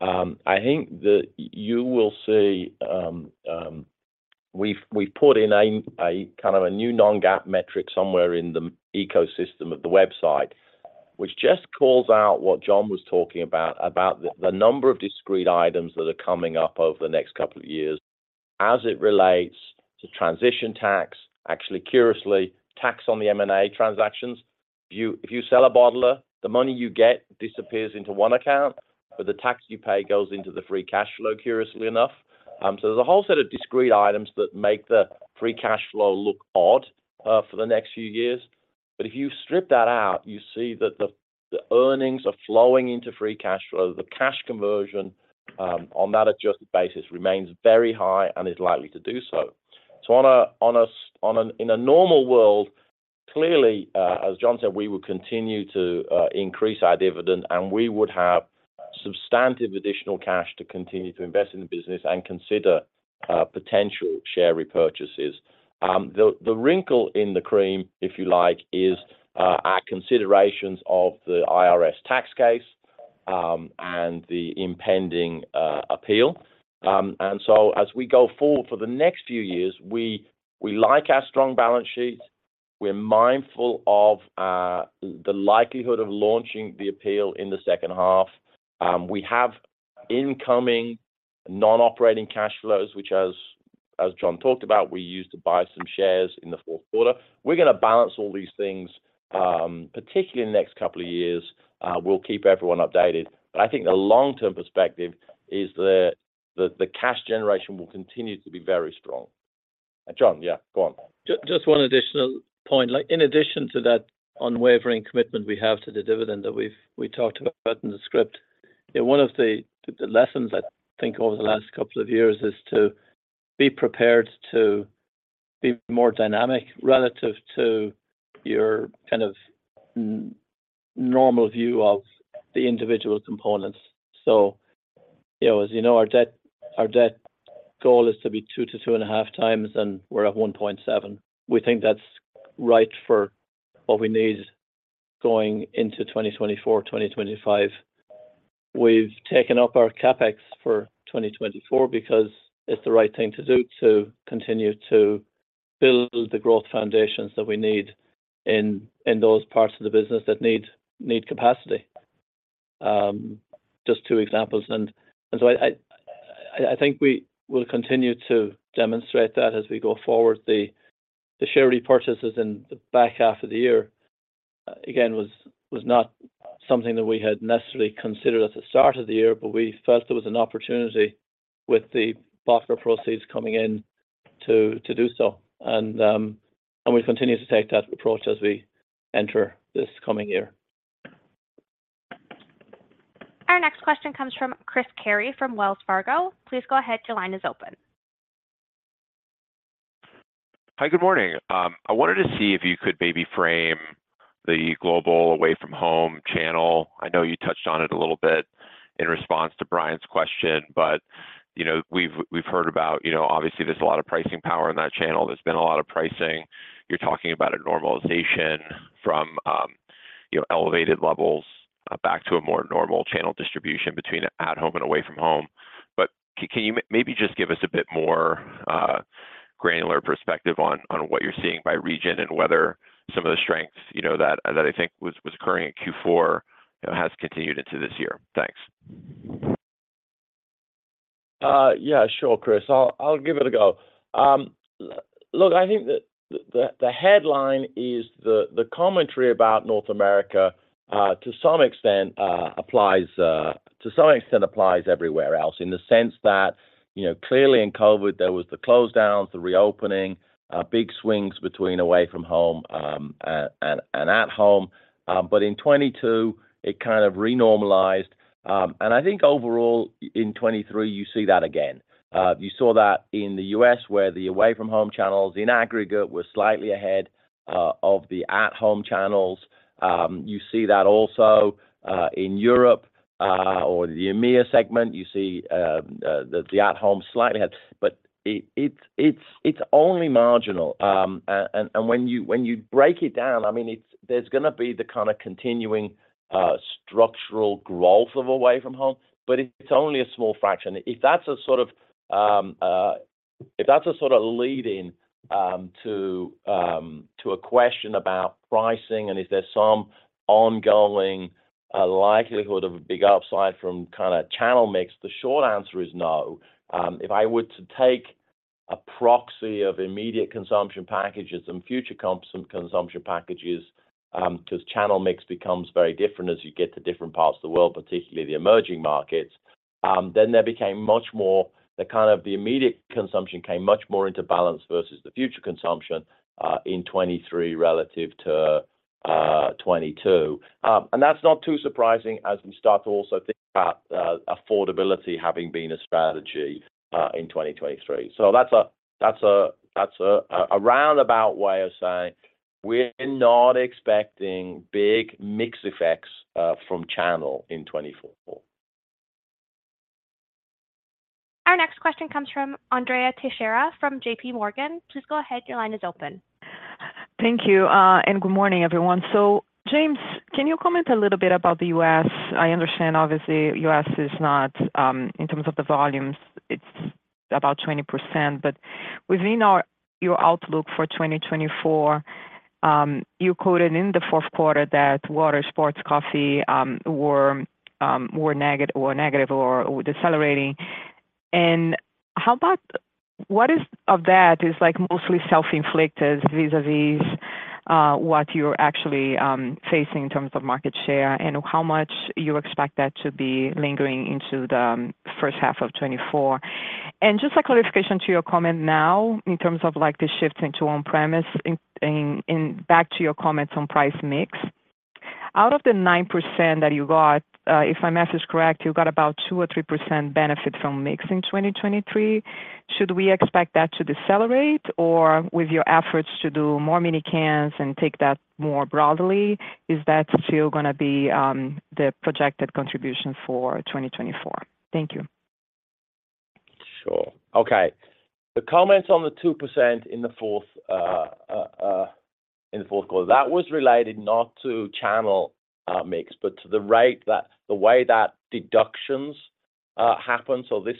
I think that you will see we've put in kind of a new non-GAAP metric somewhere in the ecosystem of the website, which just calls out what John was talking about, about the number of discrete items that are coming up over the next couple of years as it relates to transition tax, actually curiously, tax on the M&A transactions. If you sell a bottler, the money you get disappears into one account, but the tax you pay goes into the Free Cash Flow, curiously enough. So there's a whole set of discrete items that make the Free Cash Flow look odd for the next few years. But if you strip that out, you see that the earnings are flowing into Free Cash Flow. The cash conversion on that adjusted basis remains very high and is likely to do so. So in a normal world, clearly, as John said, we would continue to increase our dividend, and we would have substantive additional cash to continue to invest in the business and consider potential share repurchases. The wrinkle in the cream, if you like, is our considerations of the IRS tax case and the impending appeal. And so as we go forward for the next few years, we like our strong balance sheet. We're mindful of the likelihood of launching the appeal in the second half. We have incoming non-operating cash flows, which, as John talked about, we used to buy some shares in the Q4. We're going to balance all these things, particularly in the next couple of years. We'll keep everyone updated. But I think the long-term perspective is the cash generation will continue to be very strong. And John, yeah, go on. Just one additional point. In addition to that unwavering commitment we have to the dividend that we talked about in the script, one of the lessons I think over the last couple of years is to be prepared to be more dynamic relative to your kind of normal view of the individual components. So as you know, our debt goal is to be 2-2.5 times, and we're at 1.7. We think that's right for what we need going into 2024, 2025. We've taken up our CapEx for 2024 because it's the right thing to do to continue to build the growth foundations that we need in those parts of the business that need capacity. Just two examples. And so I think we will continue to demonstrate that as we go forward. The share repurchases in the back half of the year, again, was not something that we had necessarily considered at the start of the year, but we felt there was an opportunity with the bottler proceeds coming in to do so. We'll continue to take that approach as we enter this coming year. Our next question comes from Chris Carey from Wells Fargo. Please go ahead. Your line is open. Hi. Good morning. I wanted to see if you could maybe frame the global away-from-home channel. I know you touched on it a little bit in response to Brian's question, but we've heard about, obviously, there's a lot of pricing power in that channel. There's been a lot of pricing. You're talking about a normalization from elevated levels back to a more normal channel distribution between at-home and away-from-home. But can you maybe just give us a bit more granular perspective on what you're seeing by region and whether some of the strength that I think was occurring at Q4 has continued into this year? Thanks. Yeah. Sure, Chris. I'll give it a go. Look, I think that the headline is the commentary about North America to some extent applies everywhere else in the sense that clearly, in COVID, there was the shutdowns, the reopening, big swings between away-from-home and at-home. But in 2022, it kind of renormalized. And I think overall, in 2023, you see that again. You saw that in the U.S. where the away-from-home channels in aggregate were slightly ahead of the at-home channels. You see that also in Europe or the EMEA segment. You see the at-home slightly ahead. But it's only marginal. And when you break it down, I mean, there's going to be the kind of continuing structural growth of away-from-home, but it's only a small fraction. If that's a sort of lead-in to a question about pricing and is there some ongoing likelihood of a big upside from kind of channel mix, the short answer is no. If I were to take a proxy of immediate consumption packages and future consumption packages because channel mix becomes very different as you get to different parts of the world, particularly the emerging markets, then there became much more the kind of the immediate consumption came much more into balance versus the future consumption in 2023 relative to 2022. And that's not too surprising as we start to also think about affordability having been a strategy in 2023. So that's a roundabout way of saying we're not expecting big mix effects from channel in 2024. Our next question comes from Andrea Teixeira from J.P. Morgan. Please go ahead. Your line is open. Thank you. Good morning, everyone. James, can you comment a little bit about the U.S.? I understand, obviously, U.S. is not in terms of the volumes, it's about 20%. But within your outlook for 2024, you quoted in the Q4 that water, sports, coffee were negative or decelerating. And what of that is mostly self-inflicted vis-à-vis what you're actually facing in terms of market share and how much you expect that to be lingering into the first half of 2024? And just a clarification to your comment now in terms of the shifts into on-premise and back to your comments on price mix, out of the 9% that you got, if my message is correct, you got about 2 or 3% benefit from mix in 2023. Should we expect that to decelerate? Or with your efforts to do more in cans and take that more broadly, is that still going to be the projected contribution for 2024? Thank you. Sure. Okay. The comments on the 2% in the Q4, that was related not to channel mix, but to the way that deductions happen. So this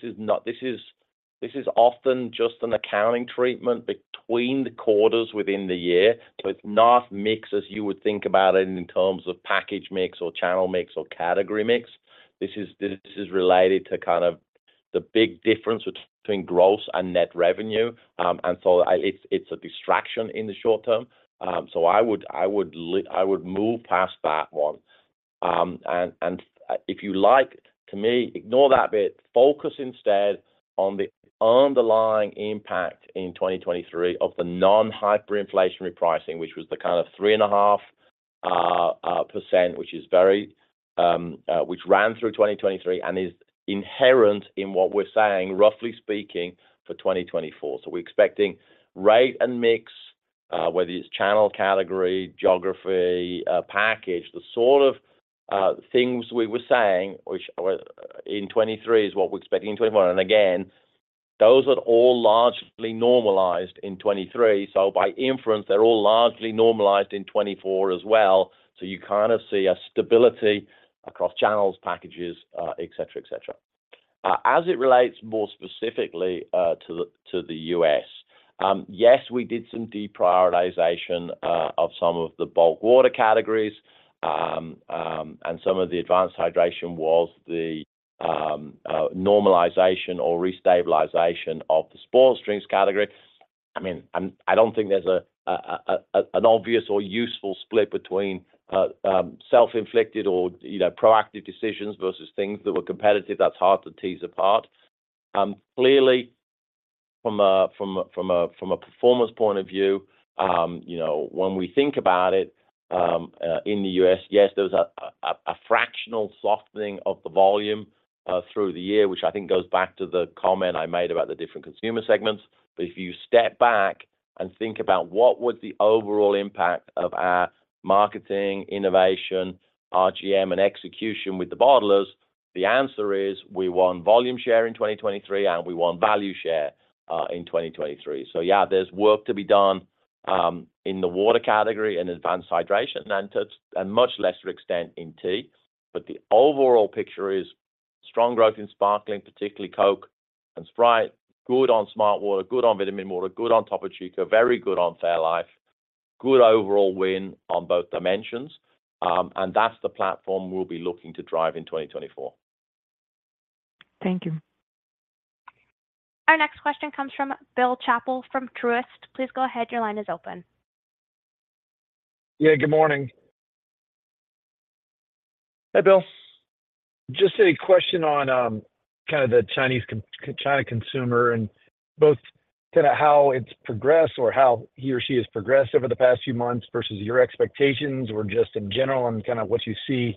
is often just an accounting treatment between the quarters within the year. So it's not mix as you would think about it in terms of package mix or channel mix or category mix. This is related to kind of the big difference between gross and net revenue. And so it's a distraction in the short term. So I would move past that one. And if you like, to me, ignore that bit. Focus instead on the underlying impact in 2023 of the non-hyperinflationary pricing, which was the kind of 3.5%, which is very which ran through 2023 and is inherent in what we're saying, roughly speaking, for 2024. So we're expecting rate and mix, whether it's channel, category, geography, package, the sort of things we were saying, which in 2023 is what we're expecting in 2024. And again, those are all largely normalized in 2023. So by inference, they're all largely normalized in 2024 as well. So you kind of see a stability across channels, packages, etc., etc. As it relates more specifically to the U.S., yes, we did some deprioritization of some of the bulk water categories. And some of the advanced hydration was the normalization or restabilization of the sports drinks category. I mean, I don't think there's an obvious or useful split between self-inflicted or proactive decisions versus things that were competitive. That's hard to tease apart. Clearly, from a performance point of view, when we think about it in the U.S., yes, there was a fractional softening of the volume through the year, which I think goes back to the comment I made about the different consumer segments. But if you step back and think about what was the overall impact of our marketing, innovation, RGM, and execution with the bottlers, the answer is we won volume share in 2023, and we won value share in 2023. So yeah, there's work to be done in the water category and advanced hydration and much lesser extent in tea. But the overall picture is strong growth in sparkling, particularly Coke and Sprite, good on smartwater, good on vitaminwater, good on Topo Chico, very good on fairlife, good overall win on both dimensions. And that's the platform we'll be looking to drive in 2024. Thank you. Our next question comes from Bill Chappell from Truist. Please go ahead. Your line is open. Yeah. Good morning. Hey, Bill. Just a question on kind of the China consumer and both kind of how it's progressed or how he or she has progressed over the past few months versus your expectations or just in general and kind of what you see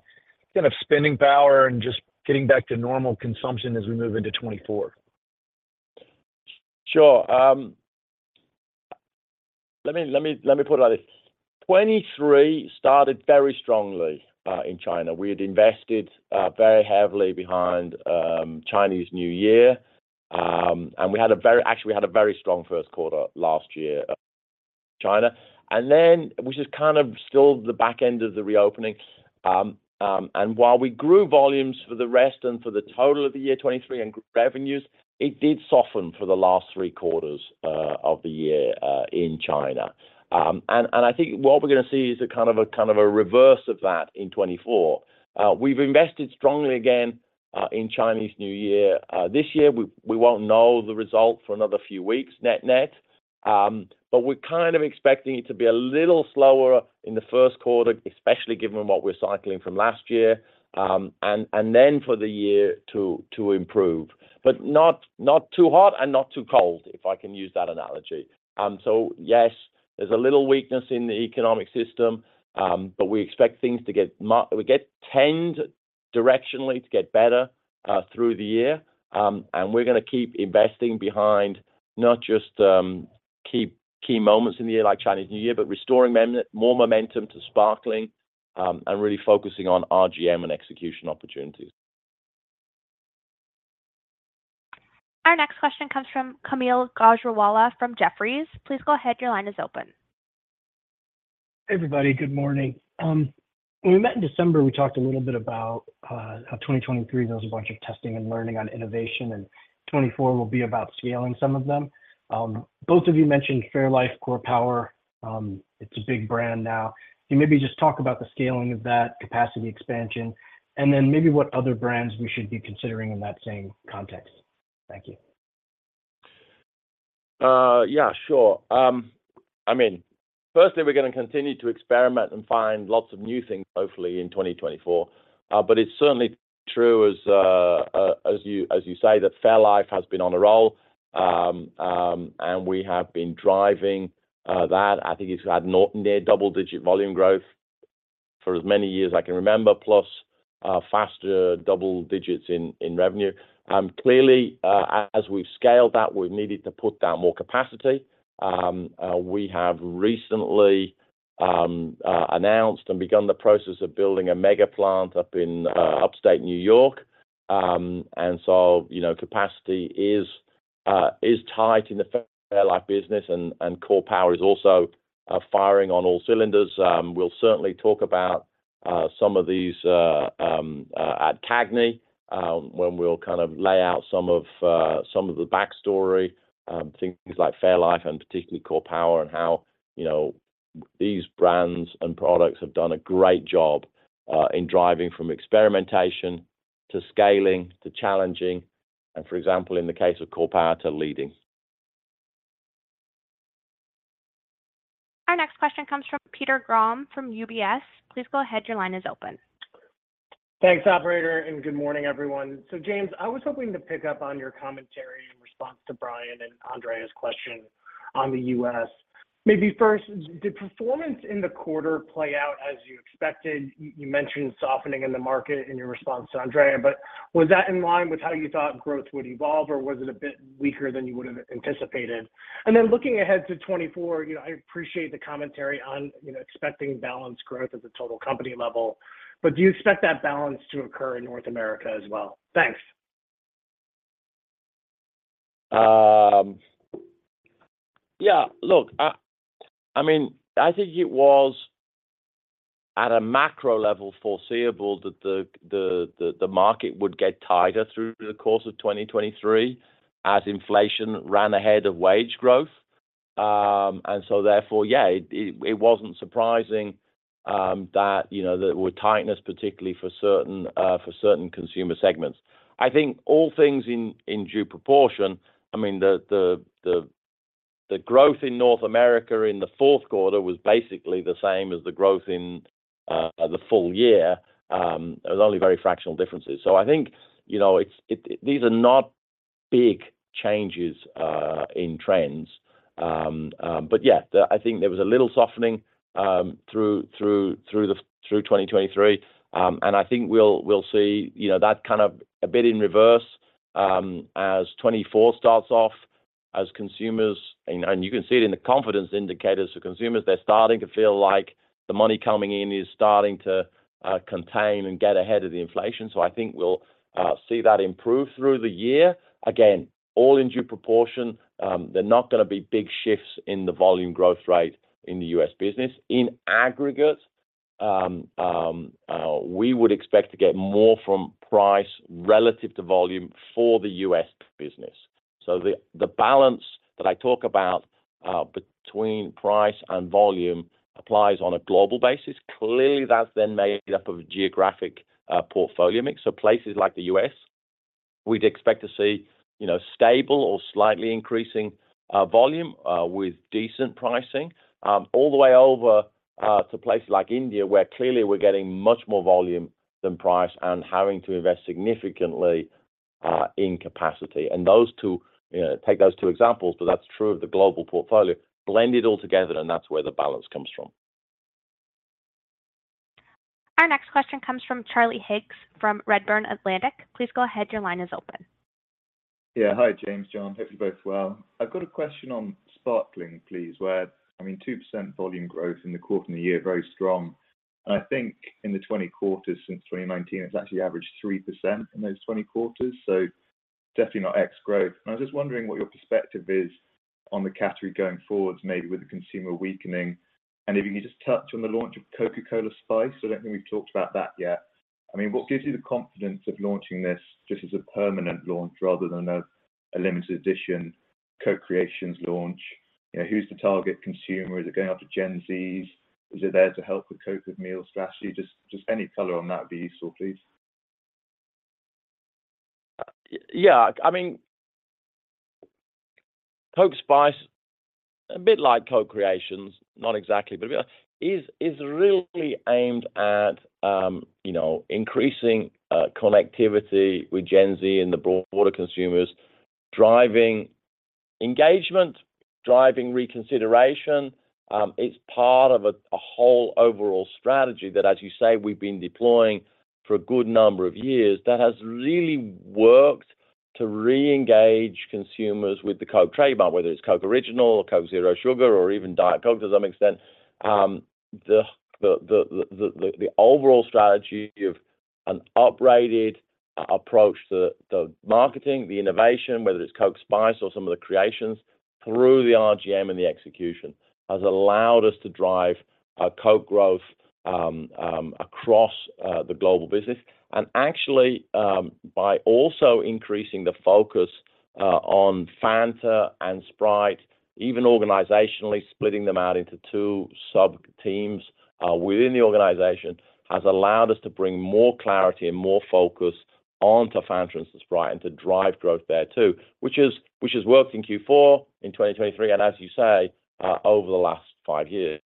kind of spending power and just getting back to normal consumption as we move into 2024. Sure. Let me put it like this. 2023 started very strongly in China. We had invested very heavily behind Chinese New Year. And we had a very strong Q1 last year in China, which is kind of still the back end of the reopening. And while we grew volumes for the rest and for the total of the year 2023 and revenues, it did soften for the last three quarters of the year in China. And I think what we're going to see is a kind of a reverse of that in 2024. We've invested strongly again in Chinese New Year this year. We won't know the result for another few weeks net-net. But we're kind of expecting it to be a little slower in the Q1, especially given what we're cycling from last year, and then for the year to improve, but not too hot and not too cold, if I can use that analogy. So yes, there's a little weakness in the economic system, but we expect things to tend directionally to get better through the year. And we're going to keep investing behind not just key moments in the year like Chinese New Year, but restoring more momentum to sparkling and really focusing on RGM and execution opportunities. Our next question comes from Kamil Gajrawala from Jefferies. Please go ahead. Your line is open. Everybody, good morning. When we met in December, we talked a little bit about how 2023 was a bunch of testing and learning on innovation, and 2024 will be about scaling some of them. Both of you mentioned Fairlife, Core Power. It's a big brand now. Can you maybe just talk about the scaling of that, capacity expansion, and then maybe what other brands we should be considering in that same context? Thank you. Yeah. Sure. I mean, firstly, we're going to continue to experiment and find lots of new things, hopefully, in 2024. But it's certainly true, as you say, that fairlife has been on a roll, and we have been driving that. I think it's had near double-digit volume growth for as many years I can remember, plus faster double digits in revenue. Clearly, as we've scaled that, we've needed to put down more capacity. We have recently announced and begun the process of building a megaplant up in Upstate New York. And so capacity is tight in the fairlife business, and Core Power is also firing on all cylinders. We'll certainly talk about some of these at CAGNY when we'll kind of lay out some of the backstory, things like Fairlife and particularly Core Power, and how these brands and products have done a great job in driving from experimentation to scaling to challenging, and for example, in the case of Core Power, to leading. Our next question comes from Peter Grom from UBS. Please go ahead. Your line is open. Thanks, operator, and good morning, everyone. So James, I was hoping to pick up on your commentary in response to Brian and Andrea's question on the U.S. Maybe first, did performance in the quarter play out as you expected? You mentioned softening in the market in your response to Andrea, but was that in line with how you thought growth would evolve, or was it a bit weaker than you would have anticipated? And then looking ahead to 2024, I appreciate the commentary on expecting balanced growth at the total company level, but do you expect that balance to occur in North America as well? Thanks. Yeah. Look, I mean, I think it was at a macro level foreseeable that the market would get tighter through the course of 2023 as inflation ran ahead of wage growth. And so therefore, yeah, it wasn't surprising that there were tightness, particularly for certain consumer segments. I think all things in due proportion, I mean, the growth in North America in the Q4 was basically the same as the growth in the full year. It was only very fractional differences. So I think these are not big changes in trends. But yeah, I think there was a little softening through 2023. And I think we'll see that kind of a bit in reverse as 2024 starts off, as consumers and you can see it in the confidence indicators for consumers. They're starting to feel like the money coming in is starting to contain and get ahead of the inflation. So I think we'll see that improve through the year. Again, all in due proportion. There are not going to be big shifts in the volume growth rate in the U.S. business. In aggregate, we would expect to get more from price relative to volume for the U.S. business. So the balance that I talk about between price and volume applies on a global basis. Clearly, that's then made up of geographic portfolio mix. So places like the U.S., we'd expect to see stable or slightly increasing volume with decent pricing, all the way over to places like India where clearly we're getting much more volume than price and having to invest significantly in capacity. Take those two examples, but that's true of the global portfolio, blend it all together, and that's where the balance comes from. Our next question comes from Charlie Higgs from Redburn Atlantic. Please go ahead. Your line is open. Yeah. Hi, James, John. Hope you both well. I've got a question on sparkling, please, where, I mean, 2% volume growth in the quarter and the year, very strong. And I think in the 20 quarters since 2019, it's actually averaged 3% in those 20 quarters. So definitely not ex-growth. And I was just wondering what your perspective is on the category going forward, maybe with the consumer weakening, and if you could just touch on the launch of Coca-Cola Spice. I don't think we've talked about that yet. I mean, what gives you the confidence of launching this just as a permanent launch rather than a limited edition Coke Creations launch? Who's the target consumer? Is it going after Gen Z? Is it there to help with Coke with-meal strategy? Just any color on that would be useful, please. Yeah. I mean, Coke Spice, a bit like co-creations, not exactly, but a bit like, is really aimed at increasing connectivity with Gen Z and the broader consumers, driving engagement, driving reconsideration. It's part of a whole overall strategy that, as you say, we've been deploying for a good number of years that has really worked to re-engage consumers with the Coke trademark, whether it's Coke Original or Coke Zero Sugar or even Diet Coke to some extent. The overall strategy of an upgraded approach to marketing, the innovation, whether it's Coke Spice or some of the creations through the RGM and the execution, has allowed us to drive Coke growth across the global business. Actually, by also increasing the focus on Fanta and Sprite, even organizationally splitting them out into two subteams within the organization, has allowed us to bring more clarity and more focus onto Fanta and Sprite and to drive growth there too, which has worked in Q4 in 2023 and, as you say, over the last five years.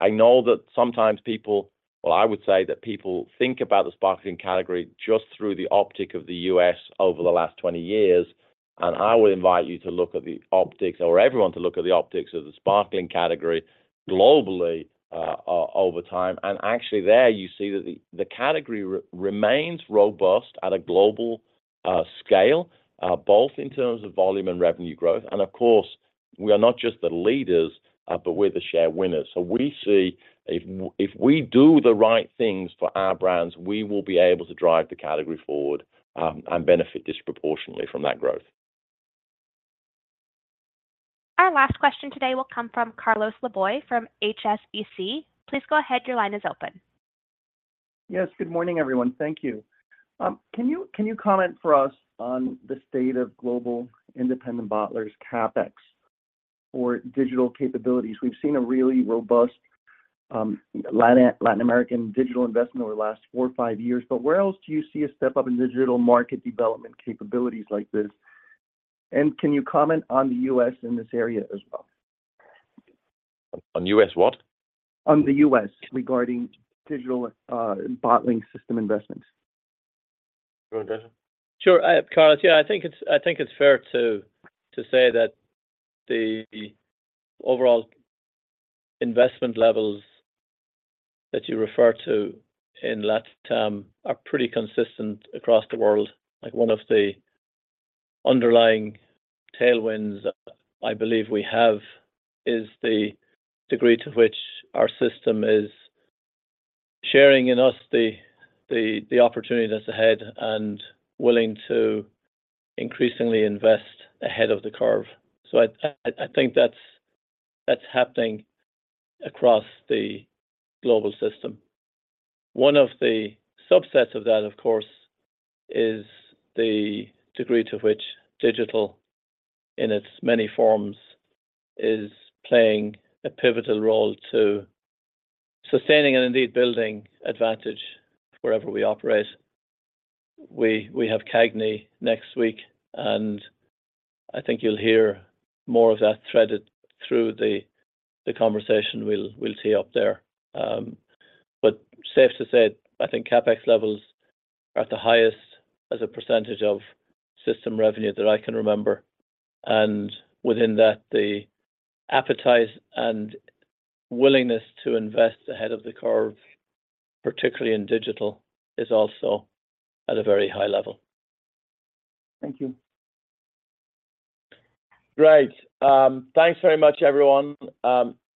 I know that sometimes people well, I would say that people think about the sparkling category just through the optic of the U.S. over the last 20 years. And I would invite you to look at the optics or everyone to look at the optics of the sparkling category globally over time. And actually, there, you see that the category remains robust at a global scale, both in terms of volume and revenue growth. And of course, we are not just the leaders, but we're the share winners. So we see if we do the right things for our brands, we will be able to drive the category forward and benefit disproportionately from that growth. Our last question today will come from Carlos Laboy from HSBC. Please go ahead. Your line is open. Yes. Good morning, everyone. Thank you. Can you comment for us on the state of global independent bottlers, CapEx, or digital capabilities? We've seen a really robust Latin American digital investment over the last four or five years, but where else do you see a step up in digital market development capabilities like this? And can you comment on the U.S. in this area as well? On U.S. what? On the U.S. regarding digital bottling system investments. Sure. Carlos, yeah, I think it's fair to say that the overall investment levels that you refer to in Latin are pretty consistent across the world. One of the underlying tailwinds that I believe we have is the degree to which our system is sharing in us the opportunities ahead and willing to increasingly invest ahead of the curve. So I think that's happening across the global system. One of the subsets of that, of course, is the degree to which digital, in its many forms, is playing a pivotal role to sustaining and indeed building advantage wherever we operate. We have CAGNY next week, and I think you'll hear more of that threaded through the conversation we'll tee up there. But safe to say, I think CapEx levels are at the highest as a percentage of system revenue that I can remember. Within that, the appetite and willingness to invest ahead of the curve, particularly in digital, is also at a very high level. Thank you. Great. Thanks very much, everyone.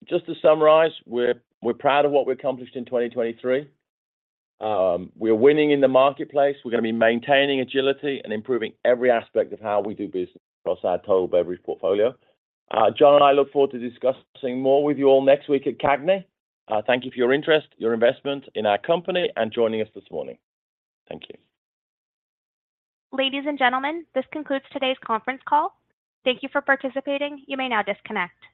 Just to summarize, we're proud of what we accomplished in 2023. We are winning in the marketplace. We're going to be maintaining agility and improving every aspect of how we do business across our total beverage portfolio. John and I look forward to discussing more with you all next week at CAGNY. Thank you for your interest, your investment in our company, and joining us this morning. Thank you. Ladies and gentlemen, this concludes today's conference call. Thank you for participating. You may now disconnect.